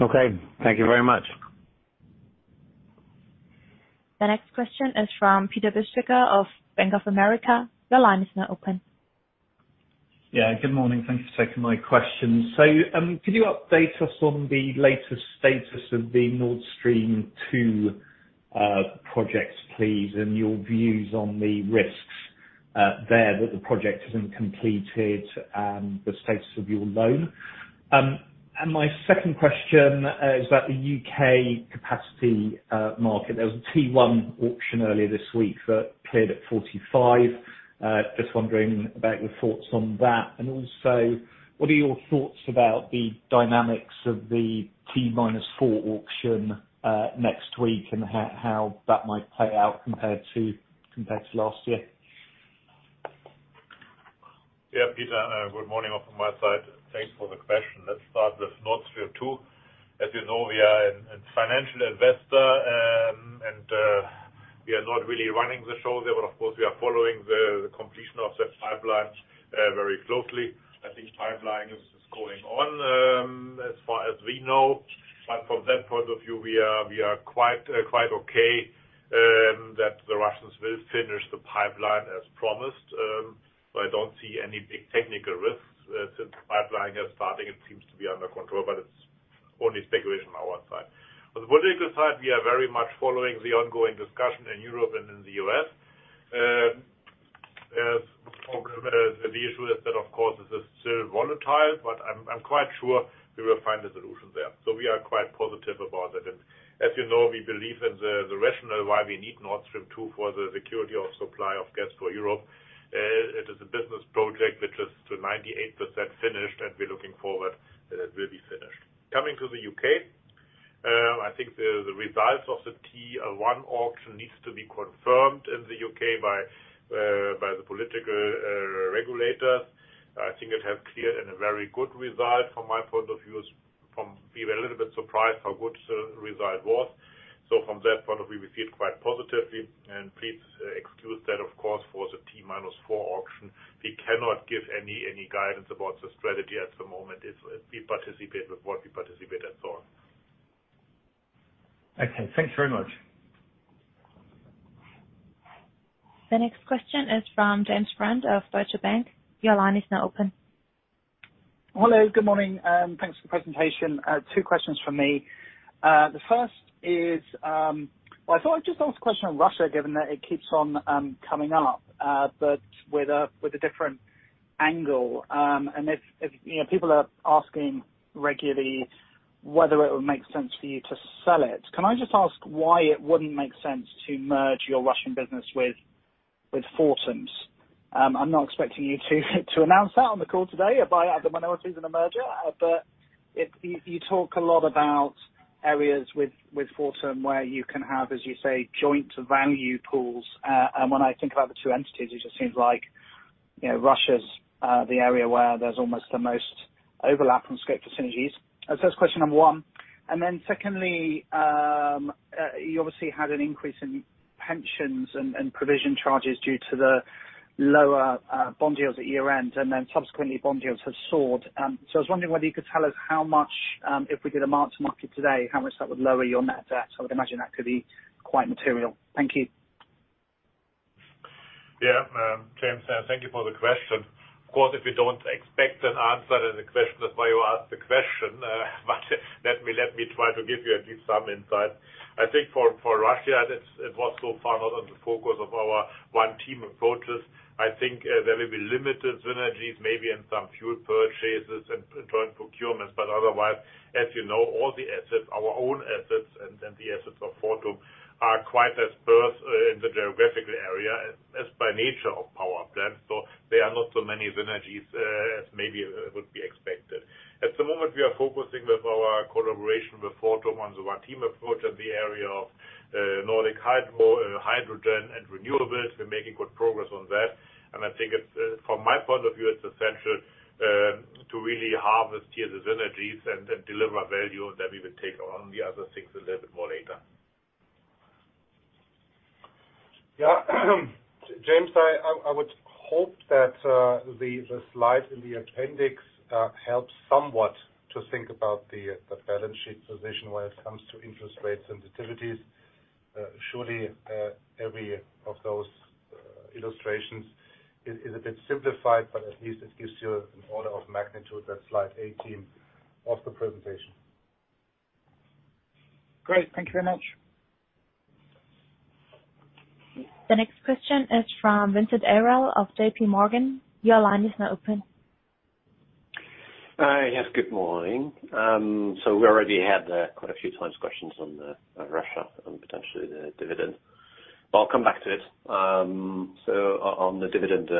Okay. Thank you very much. The next question is from Peter Bisztyga of Bank of America. Your line is now open. Yeah, good morning. Thank you for taking my question. Could you update us on the latest status of the Nord Stream 2 projects, please, and your views on the risks there that the project isn't completed, and the status of your loan? My second question is that the U.K. capacity market, there was a T-1 auction earlier this week that cleared at 45. Just wondering about your thoughts on that. What are your thoughts about the dynamics of the T-minus four auction next week, and how that might play out compared to last year? Yeah, Peter, good morning from my side. Thanks for the question. Let's start with Nord Stream 2. As you know, we are a financial investor, and we are not really running the show there, but of course, we are following the completion of that pipeline very closely. I think the pipeline is going on, as far as we know. From that point of view, we are quite okay that the Russians will finish the pipeline as promised. I don't see any big technical risks since pipelining is starting; it seems to be under control, but it's only speculation on our side. On the political side, we are very much following the ongoing discussion in Europe and in the U.S. The issue is that, of course, this is still volatile, but I'm quite sure we will find a solution there. We are quite positive about it. As you know, we believe in the rationale for why we need Nord Stream 2 for the security of supply of gas for Europe. It is a business project which is to 98% finished, and we're looking forward that it will be finished. Coming to the U.K., I think the results of the T-1 auction needs to be confirmed in the U.K. by the political regulators. I think it has cleared and a very good result from my point of view, we were a little bit surprised how good the result was. From that point of view, we feel quite positively, and please excuse that, of course, for the T-minus four auction. We cannot give any guidance about the strategy at the moment. We participate with what we participate and so on. Okay. Thanks very much. The next question is from James Brand of Deutsche Bank. Your line is now open. Hello, good morning. Thanks for the presentation. Two questions from me. The first is, well, I thought I'd just ask a question on Russia, given that it keeps on coming up, but with a different angle. If people are asking regularly whether it would make sense for you to sell it, can I just ask why it wouldn't make sense to merge your Russian business with Fortum's? I'm not expecting you to announce that on the call today, a buyout, the minorities, and a merger. You talk a lot about areas with Fortum where you can have, as you say, joint value pools. When I think about the two entities, it just seems like Russia's the area where there's almost the most overlap and scope for synergies. That's question number one. Secondly, you obviously had an increase in pensions and provision charges due to the lower bond yields at year-end. Subsequently, bond yields have soared. I was wondering whether you could tell us how much, if we did a mark-to-market today, that would lower your net debt? I would imagine that could be quite material. Thank you. Yeah. James, thank you for the question. Of course, if you don't expect an answer to the question, that's why you ask the question. Let me try to give you at least some insight. I think for Russia, it was so far not on the focus of our One Team approaches. I think there will be limited synergies, maybe in some fuel purchases and joint procurements. Otherwise, as you know, all the assets, our own assets and then the assets of Fortum, are quite as dispersed in the geographic area as they are by nature of power plants. There are not so many synergies, as maybe would be expected. At the moment, we are focusing our collaboration with Fortum on the One Team approach in the area of Nordic hydro and renewables. We're making good progress on that, and I think from my point of view, it's essential to really harvest these synergies and deliver value, and then we will take on the other things a little bit more later. Yeah. James, I would hope that the slide in the Appendix helps somewhat to think about the balance sheet position when it comes to interest rate sensitivities. Surely, every one of those illustrations is a bit simplified, but at least it gives you an order of magnitude. That's slide 18 of the presentation. Great. Thank you very much. The next question is from Vincent Ayral of JPMorgan. Your line is now open. Hi. Yes, good morning. We already had quite a few times questions on Russia and potentially the dividend, but I'll come back to them. On the dividend,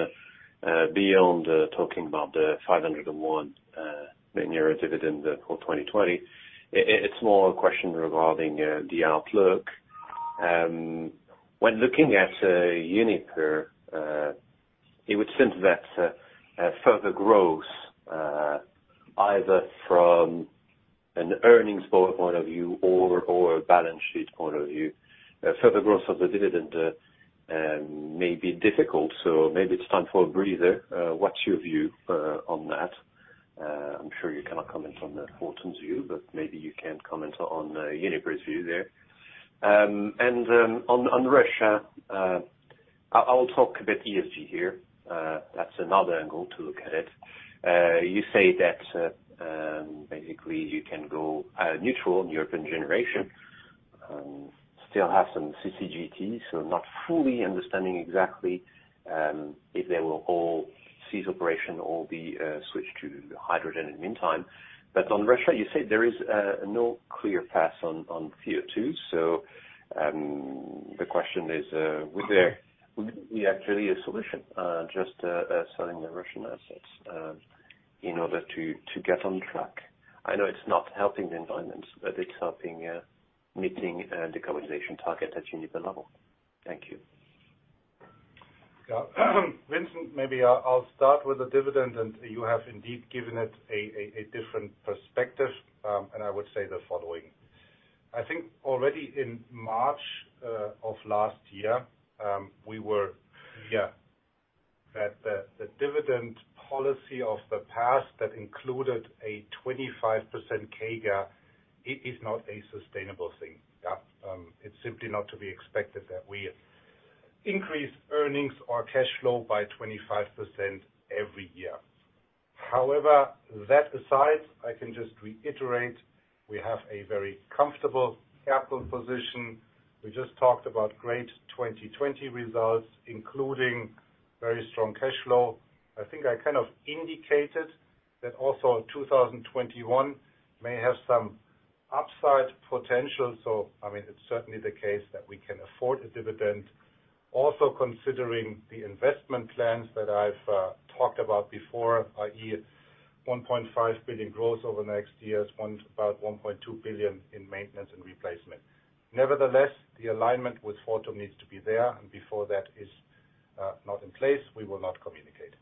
beyond talking about the 501 million euro dividend for 2020, it's more a question regarding the outlook. When looking at Uniper, it would seem that further growth, either from an earnings point of view or a balance sheet point of view, or further growth of the dividend may be difficult, so maybe it's time for a breather. What's your view on that? I'm sure you cannot comment on Fortum's view, but maybe you can comment on Uniper's view there. On Russia, I'll talk a bit about ESG here. That's another angle to look at it. You say that basically you can go neutral in European generation and still have some CCGT, so you're not fully understanding exactly if they will all cease operation or be switched to hydrogen in the meantime. On Russia, you say there is no clear path on CO2. The question is, would it actually be a solution just selling the Russian assets in order to get on track? I know it's not helping the environment, but it's helping meet the decarbonization target at the Uniper level. Thank you. Vincent, maybe I'll start with the dividend. You have indeed given it a different perspective, and I would say the following. I think already in March of last year, we were clear that the dividend policy of the past that included a 25% CAGR is not a sustainable thing. It's simply not to be expected that we increase earnings or cash flow by 25% every year. However, that aside, I can just reiterate: we have a very comfortable capital position. We just talked about great 2020 results, including very strong cash flow. I think I kind of indicated that also 2021 may have some upside potential. I mean, it's certainly the case that we can afford a dividend. Also, considering the investment plans that I've talked about before, i.e., 1.5 billion in growth over the next years and about 1.2 billion in maintenance and replacement. Nevertheless, the alignment with Fortum needs to be there, and before that is in place, we will not communicate.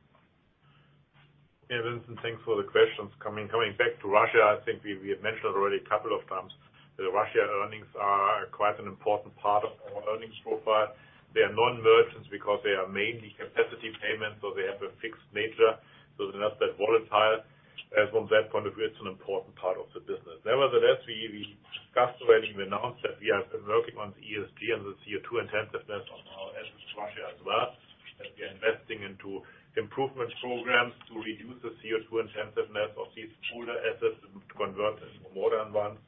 Yeah, Vincent, thanks for the questions. Coming back to Russia, I think we have mentioned already a couple of times that Russia's earnings are quite an important part of our earnings profile. They are non-merchant because they are mainly capacity payments, so they have a fixed nature. They're not that volatile. From that point of view, it's an important part of the business. Nevertheless, as we discussed already, we announced that we have been working on the ESG and the CO2 intensiveness on our assets in Russia as well, and that we are investing into improvement programs to reduce the CO2 intensiveness of these older assets and convert them to more modern ones.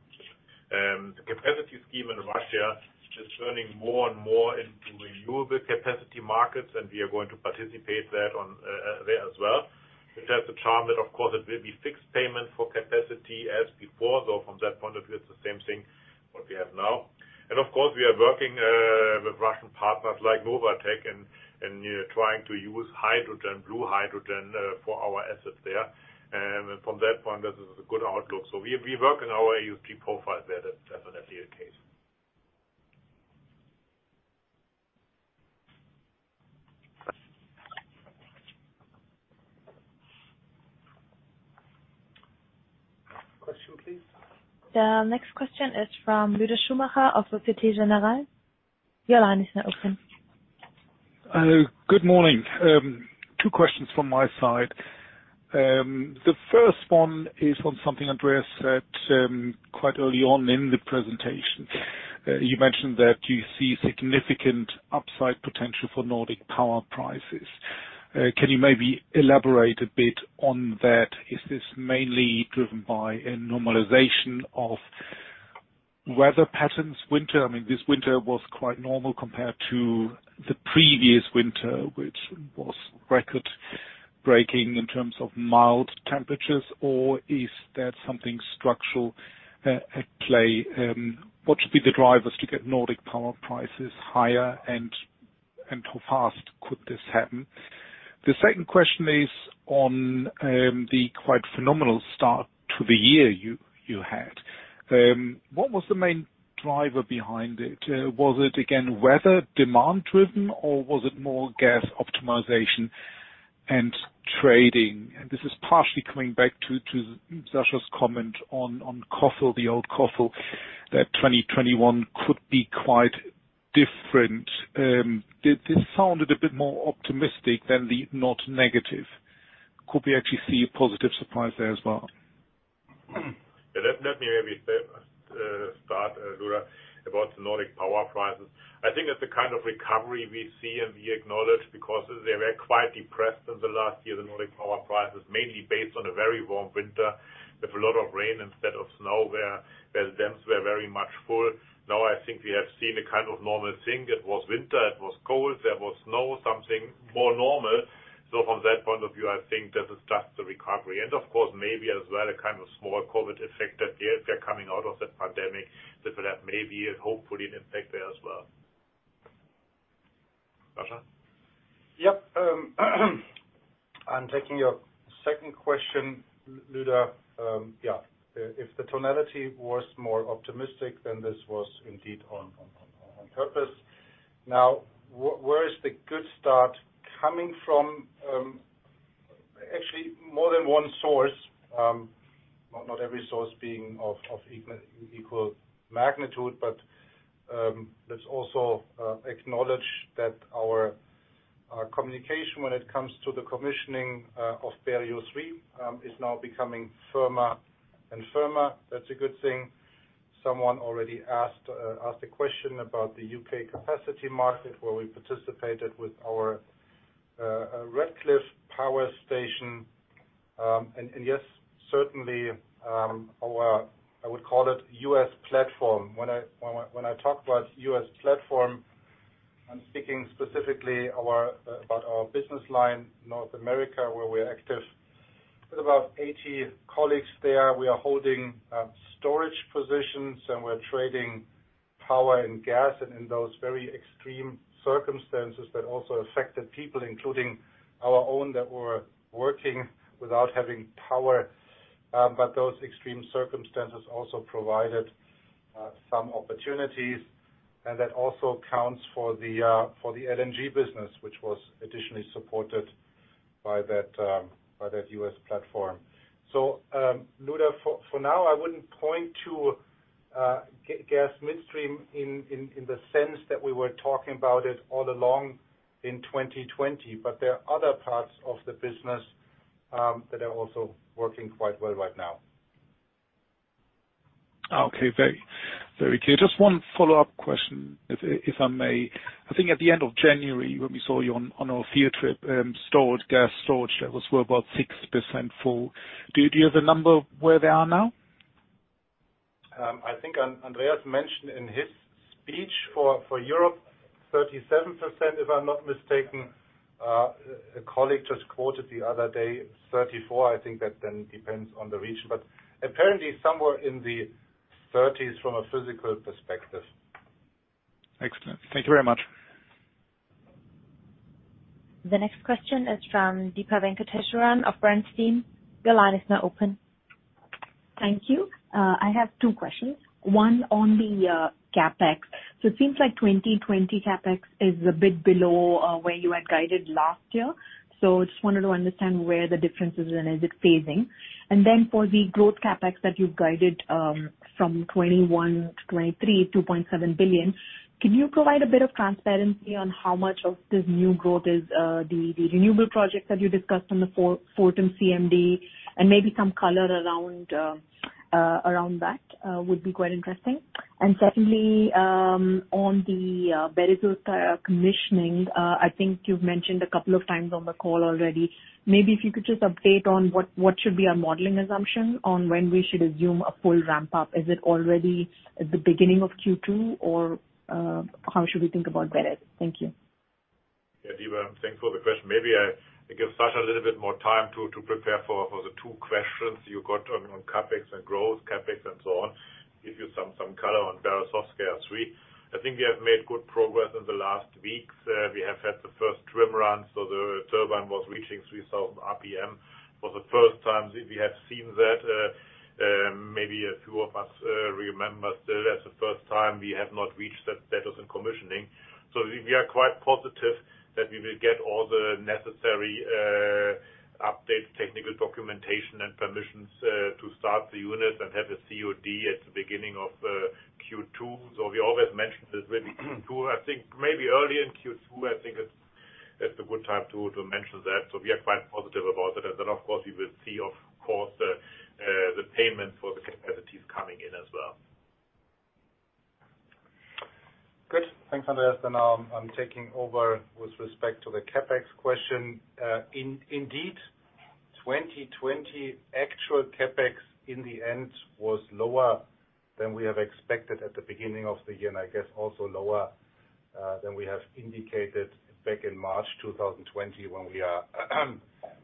The capacity scheme in Russia is turning more and more into renewable capacity markets, and we are going to participate there as well. It has the charm that, of course, it will be a fixed payment for capacity as before, so from that point of view, it's the same thing that we have now. Of course, we are working with Russian partners like Novatek and trying to use hydrogen, blue hydrogen, for our assets there. From that point, this is a good outlook. We work on our ESG profile there. That's definitely the case. Question, please. The next question is from Lüder Schumacher of Société Générale. Your line is now open. Good morning. Two questions from my side. The first one is on something Andreas said quite early on in the presentation. You mentioned that you see significant upside potential for Nordic power prices. Can you maybe elaborate a bit on that? Is this mainly driven by a normalization of winter weather patterns? This winter was quite normal compared to the previous winter, which was record-breaking in terms of mild temperatures, or is there something structural at play? What should be the drivers to get Nordic power prices higher, and how fast could this happen? The second question is on the quite phenomenal start to the year you had. What was the main driver behind it? Was it, again, weather- or demand-driven, or was it more gas optimization and trading? This is partially coming back to Sascha's comment on the old COFL, that 2021 could be quite different. This sounded a bit more optimistic than the not-negative. Could we actually see a positive surprise there as well? Let me maybe start, Lüder, about the Nordic power prices. I think that the kind of recovery we see and we acknowledge, because they were quite depressed in the last year, is the Nordic power prices, mainly based on a very warm winter with a lot of rain instead of snow, where the dams were very much full. I think we have seen a kind of normal thing. It was winter. It was cold. There was snow, something more normal. From that point of view, I think this is just the recovery. Of course, maybe as well, a kind of small COVID effect that, yes, we are coming out of that pandemic, so that may be, hopefully, an effect there as well. Sascha? Yep. On taking your second question, Lüder. Yeah. If the tonality was more optimistic, this was indeed on purpose. Where is the good start coming from? Actually, more than one source. Not every source is of equal magnitude; let's also acknowledge that our communication when it comes to the commissioning of Berezovskaya 3 is now becoming firmer and firmer. That's a good thing. Someone already asked a question about the U.K. capacity market, where we participated with our Ratcliffe power station. Yes, certainly, our, I would call it, U.S. platform. When I talk about U.S. platform, I'm speaking specifically about our business line, North America, where we're active with about 80 colleagues there. We are holding storage positions, and we're trading power and gas, and in those very extreme circumstances, that also affected people, including our own, that were working without having power. Those extreme circumstances also provided some opportunities, and that also accounts for the LNG business, which was additionally supported by that U.S. platform. Lüder, for now, I wouldn't point to gas midstream in the sense that we were talking about it all along in 2020, but there are other parts of the business that are also working quite well right now. Okay. Very clear. Just one follow-up question, if I may. I think at the end of January, when we saw you on our field trip, stored gas storage levels were about 6% full. Do you have a number where they are now? I think Andreas mentioned it in his speech for Europe, 37%, if I'm not mistaken. A colleague just quoted the other day, 34%. I think that that then depends on the region. Apparently, somewhere in the 30s from a physical perspective. Excellent. Thank you very much. The next question is from Deepa Venkateswaran of Bernstein. Your line is now open. Thank you. I have two questions. One on the CapEx. It seems like 2020 CapEx is a bit below where you had guided last year. I just wanted to understand where the difference is and if it's phasing. Then for the growth CapEx that you've guided from 2021 to 2023, 2.7 billion, can you provide a bit of transparency on how much of this new growth is the renewable projects that you discussed on the Fortum CMD, and maybe some color around that would be quite interesting? Secondly, on the Berezovskaya commissioning, I think you've mentioned a couple of times on the call already. Maybe if you could just update us on what should be our modeling assumption on when we should assume a full ramp-up. Is it already at the beginning of Q2, or how should we think about that? Thank you. Yeah, Deepa, thanks for the question. Maybe I'll give Sascha a little bit more time to prepare for the two questions you got on CapEx and growth CapEx and so on and give you some color on Berezovskaya. I think we have made good progress in the last weeks. We have had the first stream run, so the turbine was reaching 3,000 RPM for the first time. We have seen that; maybe a few of us remember that's the first time we have not reached that status in commissioning. We are quite positive that we will get all the necessary updates, technical documentation, and permissions to start the unit and have a COD at the beginning of Q2. We always mention this in Q2. I think maybe early in Q2, I think that's a good time to mention that. We are quite positive about it. Of course, we will see, of course, the payment for the capacities coming in as well. Good. Thanks, Andreas. I'm taking over with respect to the CapEx question. Indeed, 2020 actual CapEx in the end was lower than we had expected at the beginning of the year. I guess it is also lower than we have indicated back in March 2020 when we were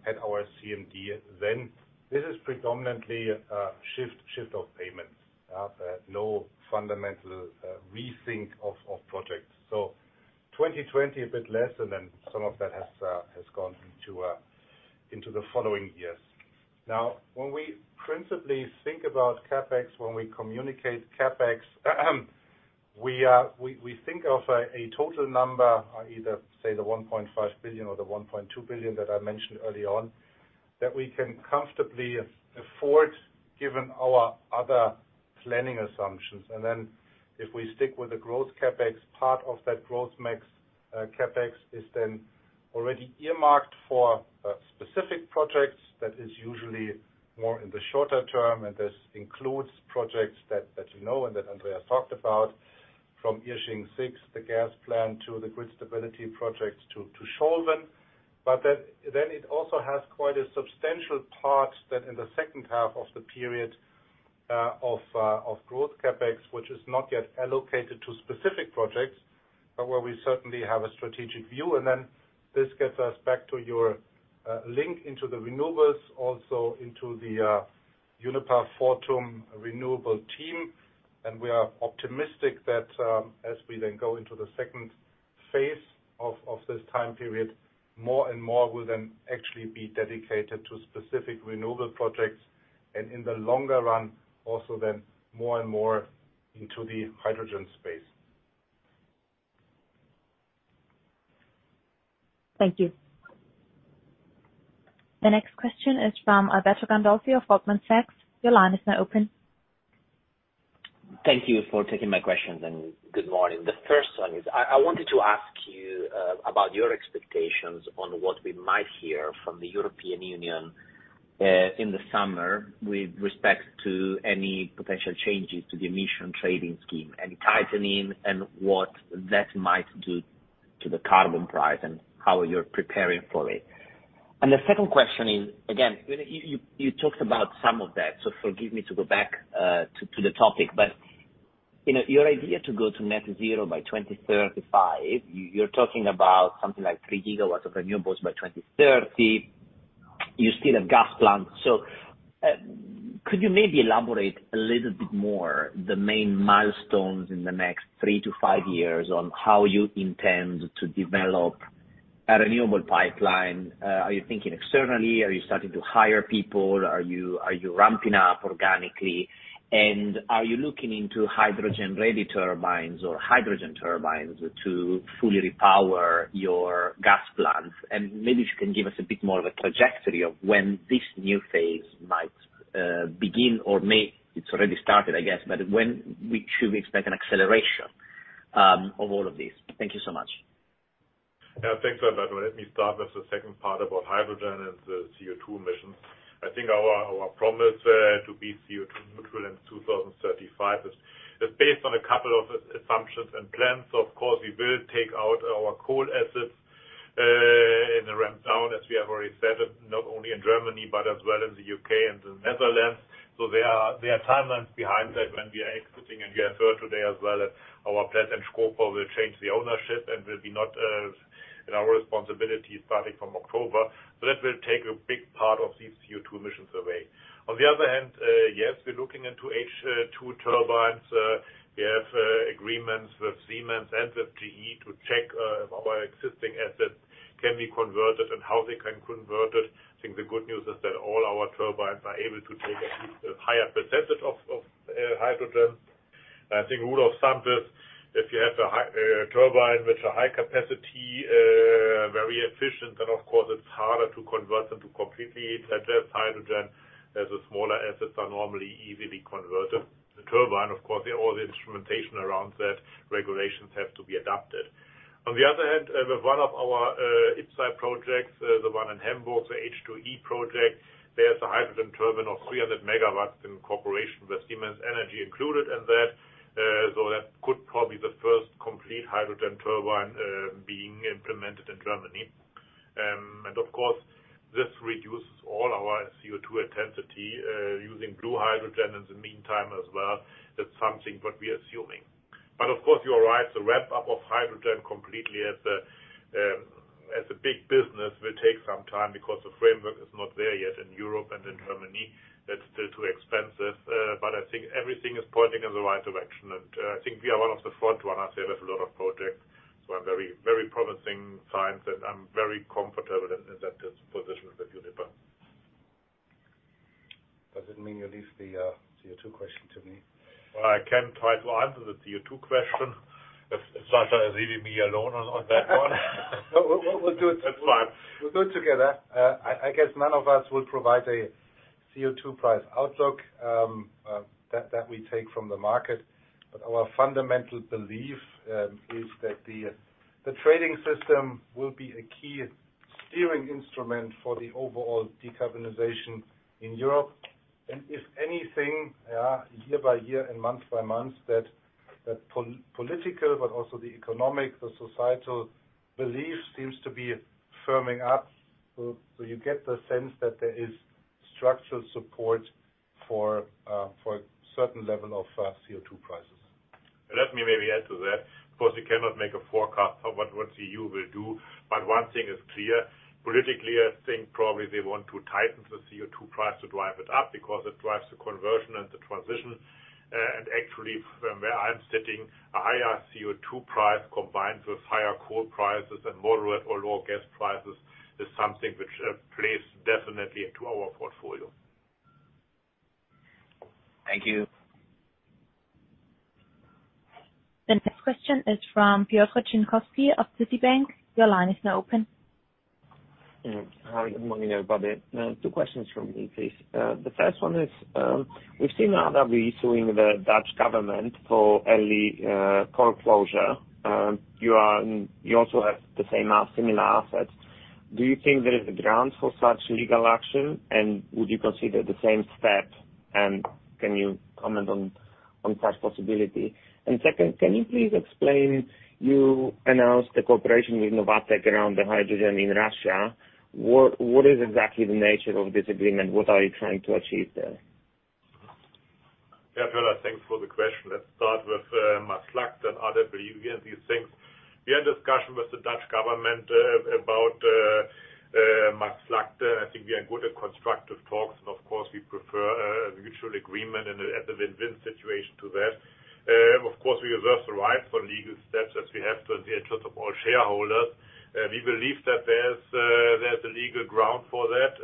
at our CMD then. This is predominantly a shift of payments. No fundamental rethink of projects. 2020, a bit less. Some of that has gone into the following years. When we principally think about CapEx, when we communicate CapEx, we think of a total number, either say the 1.5 billion or the 1.2 billion that I mentioned early on, that we can comfortably afford given our other planning assumptions. If we stick with the growth CapEx, part of that growth CapEx is then already earmarked for specific projects that are usually more in the shorter term, and this includes projects that you know and that Andreas talked about from Irsching 6, the gas plant, to the grid stability projects to Scholven. It also has quite a substantial part that is in the second half of the period of growth CapEx, which is not yet allocated to specific projects, but where we certainly have a strategic view. This gets us back to your link into the renewables, also into the Uniper-Fortum renewable team. We are optimistic that as we then go into the second phase of this time period, more and more will then actually be dedicated to specific renewable projects. In the longer run, also more and more into the hydrogen space. Thank you. The next question is from Alberto Gandolfi of Goldman Sachs. Your line is now open. Thank you for taking my questions, and good morning. The first one is I wanted to ask you about your expectations on what we might hear from the European Union in the summer with respect to any potential changes to the emission trading scheme, any tightening in what that might do to the carbon price, and how you're preparing for it. The second question is, again, you talked about some of that, so forgive me for going back to the topic, but your idea to go to net zero by 2035—you're talking about something like three gigawatts of renewables by 2030. You still have gas plants. Could you maybe elaborate a little bit more, the main milestones in the next three-five years on how you intend to develop a renewable pipeline? Are you thinking externally? Are you starting to hire people? Are you ramping up organically? Are you looking into hydrogen-ready turbines or hydrogen turbines to fully repower your gas plants? Maybe if you can give us a bit more of a trajectory of when this new phase might begin, or maybe it's already started, I guess. When should we expect an acceleration of all of this? Thank you so much. Yeah, thanks a lot, Alberto. Let me start with the second part about hydrogen and the CO2 emissions. I think our promise to be CO2 neutral in 2035 is based on a couple of assumptions and plans. Of course, we will take out our coal assets in the ramp down, as we have already said, not only in Germany, but as well in the U.K. and the Netherlands. There are timelines behind that when we are exiting, and you heard today as well that our plant in Schkopau will change the ownership and will be not in our responsibility starting from October. That will take a big part of these CO2 emissions away. On the other hand, yes, we're looking into H2 turbines. We have agreements with Siemens and with GE to check if our existing assets can be converted and how they can convert them. I think the good news is that all our turbines are able to take at least a higher percentage of hydrogen. I think a rule of thumb is if you have a turbine with a high capacity and very efficient, then of course it's harder to convert them to completely run on hydrogen, as the smaller assets are normally easily converted. The turbine, of course, and all the instrumentation around that—regulations have to be adapted. On the other hand, with one of our IPCEI projects, the one in Hamburg, the H2E project, there's a hydrogen turbine of 300 MW in cooperation with Siemens Energy included in that. That could probably be the first complete hydrogen turbine being implemented in Germany. Of course, this reduces all our CO2 intensity, using blue hydrogen in the meantime as well. That's something that we are assuming. Of course, you are right; the wrap-up of hydrogen completely as a big business will take some time because the framework is not there yet in Europe and in Germany. That's still too expensive. I think everything is pointing in the right direction, and I think we are one of the front runners here with a lot of projects. Very promising signs, and I'm very comfortable in that position with Uniper. Does it mean you leave the CO2 question to me? Well, I can try to answer the CO2 question, if Sascha is leaving me alone on that one. We'll do it- That's fine. We'll do it together. I guess none of us will provide a CO2 price outlook that we take from the market. Our fundamental belief is that the trading system will be a key steering instrument for the overall decarbonization in Europe. If anything, year by year and month by month, that political, but also economic and societal, belief seems to be firming up. You get the sense that there is structured support for a certain level of CO2 prices. Let me maybe add to that. Of course, we cannot make a forecast of what the EU will do. One thing is clear. Politically, I think probably they want to tighten the CO2 price to drive it up because it drives the conversion and the transition. Actually, from where I'm sitting, a higher CO2 price combined with higher coal prices and moderate or lower gas prices is something that definitely plays into our portfolio. Thank you. The next question is from Piotr Dzieciolowski of Citi. Your line is now open. Hi, good morning, everybody. Two questions from me, please. The first one is we've seen RWE suing the Dutch government for early coal closure. You also have similar assets. Do you think there is a ground for such legal action? Would you consider the same step, and can you comment on such a possibility? Second, can you please explain why you announced the cooperation with Novatek around the hydrogen in Russia? What is exactly the nature of this agreement? What are you trying to achieve there? Piotr, thanks for the question. Let's start with Maasvlakte and RWE and these things. We are in discussion with the Dutch government about Maasvlakte. I think we are good at constructive talks, and of course, we prefer a mutual agreement and a win-win situation to that. Of course, we reserve the right to take legal steps as we have to in the interest of all shareholders. We believe that there's a legal ground for that.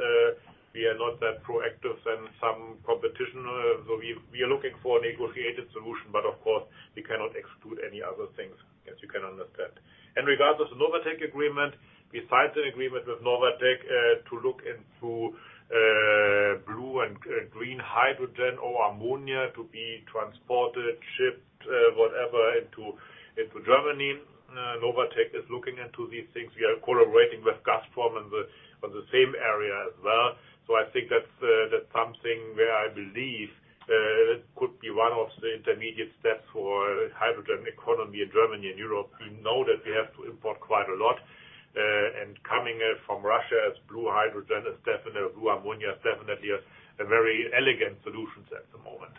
We are not as proactive as some competition. We are looking for a negotiated solution. Of course, we cannot exclude any other things, as you can understand. In regard to the Novatek agreement, we signed an agreement with Novatek to look into blue and green hydrogen or ammonia to be transported, shipped, or whatever into Germany. Novatek is looking into these things. We are collaborating with Gazprom on the same area as well. I think that's something where I believe it could be one of the intermediate steps for the hydrogen economy in Germany and Europe. We know that we have to import quite a lot, and coming from Russia as blue hydrogen is definitely, or blue ammonia, definitely a very elegant solution at the moment.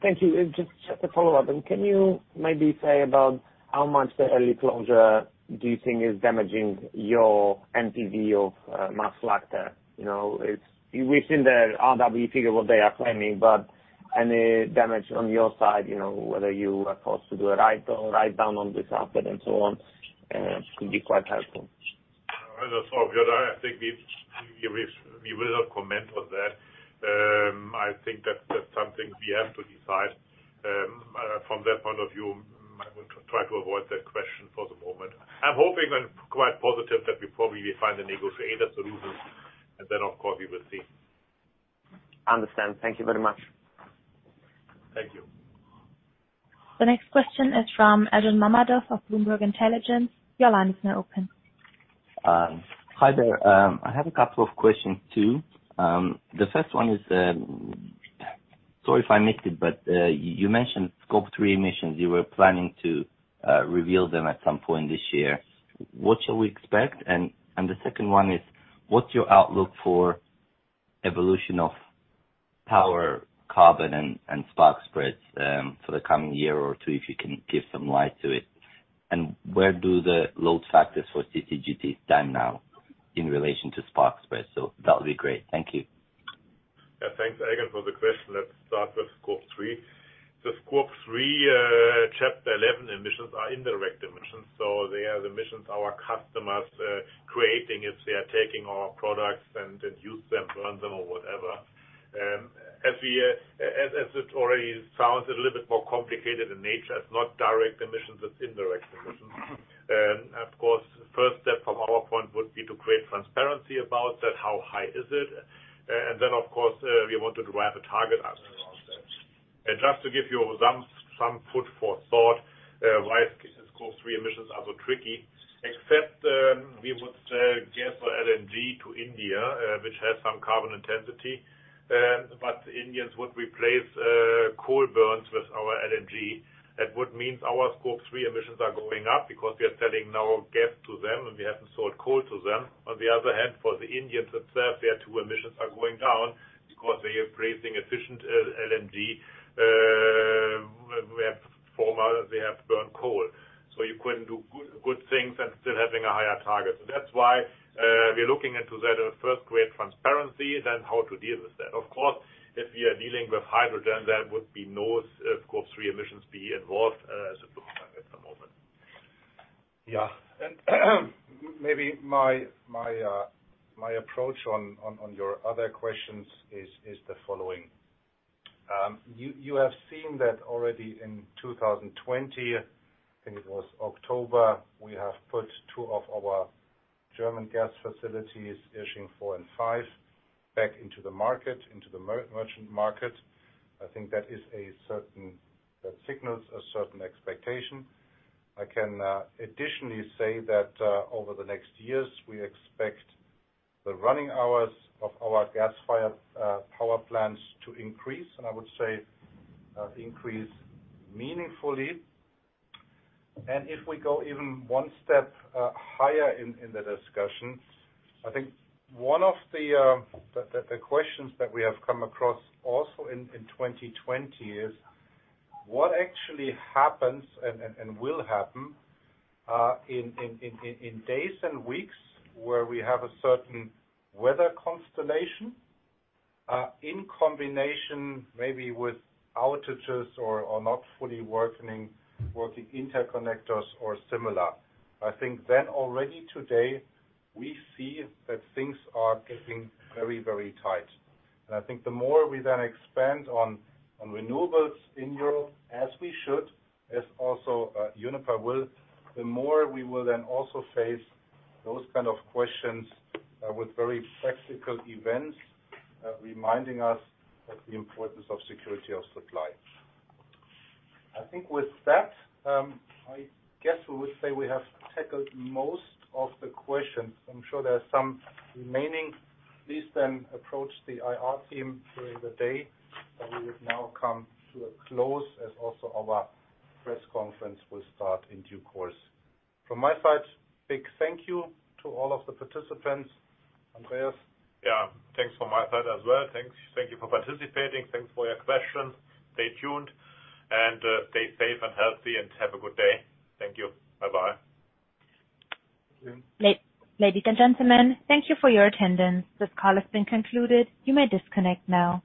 Thank you. Just a follow-up then. Can you maybe say how much the early closure do you think is damaging your NPV of Maasvlakte? We've seen the RWE figure and what they are claiming, but any damage on your side, whether you are forced to do a write-down on this asset and so on, could be quite helpful. I understand, Piotr. I think we will not comment on that. I think that's something we have to decide from that point of view. I will try to avoid that question for the moment. I'm hoping and quite positive that we probably will find a negotiated solution, and then, of course, we will see. Understand. Thank you very much. Thank you. The next question is from Elchin Mammadov of Bloomberg Intelligence. Hi there. I have a couple of questions, too. The first one is, sorry if I missed it. You mentioned Scope 3 emissions. You were planning to reveal them at some point this year. What shall we expect? The second one is, what's your outlook for evolution of power, carbon, and spark spreads for the coming year or two, if you can give some light to it? Where do the load factors for CCGT stand now in relation to spark spreads? That would be great. Thank you. Yeah. Thanks, Elchin, for the question. Let's start with Scope 3. Scope 3, chapter 11 emissions are indirect emissions. They are the emissions our customers are creating as they are taking our products and using them, burning them, or whatever. As it already sounds, it's a little bit more complicated in nature. It's not direct emissions; it's indirect. Of course, the first step from our point would be to create transparency about that, how high is it. Of course, we want to derive a target around that. Just to give you some food for thought, why are Scope 3 emissions so tricky? Except we would sell gas or LNG to India, which has some carbon intensity. Indians would replace coal burns with our LNG. That would mean our scope three emissions are going up because we are selling gas to them now. We haven't sold coal to them. For the Indians themselves, their scope two emissions are going down because they are replacing efficient LNG, whereas formerly they have burned coal. You can do good things and still have a higher target. That's why we're looking into that. First, create transparency, and then how to deal with that. Of course, if we are dealing with hydrogen, there would be no scope three emissions involved as of at the moment. Yeah. Maybe my approach to your other questions is the following. You have seen that already; in 2020, I think it was October, we put two of our German gas facilities, Irsching 4 and 5, back into the merchant market. I think that signals a certain expectation. I can additionally say that over the next years, we expect the running hours of our gas-fired power plants to increase, I would say increase meaningfully. If we go even one step higher in the discussion, I think one of the questions that we have come across also in 2020 is what actually happens and will happen in days and weeks where we have a certain weather constellation in combination maybe with outages or not fully working interconnectors or similar. I think already today, we see that things are getting very tight. I think the more we then expand on renewables in Europe, as we should, as Uniper also will, the more we will then also face those kinds of questions with very practical events, reminding us of the importance of security of supply. I think with that, I guess we would say we have tackled most of the questions. I am sure there are some remaining. Please then approach the IR team during the day, but we would now come to a close, as also our press conference will start in due course. From my side, big thank you to all of the participants. Andreas? Yeah. Thanks from my side as well. Thank you for participating. Thanks for your questions. Stay tuned, and stay safe and healthy, and have a good day. Thank you. Bye-bye. Thank you. Ladies and gentlemen, thank you for your attendance. This call has been concluded. You may disconnect now.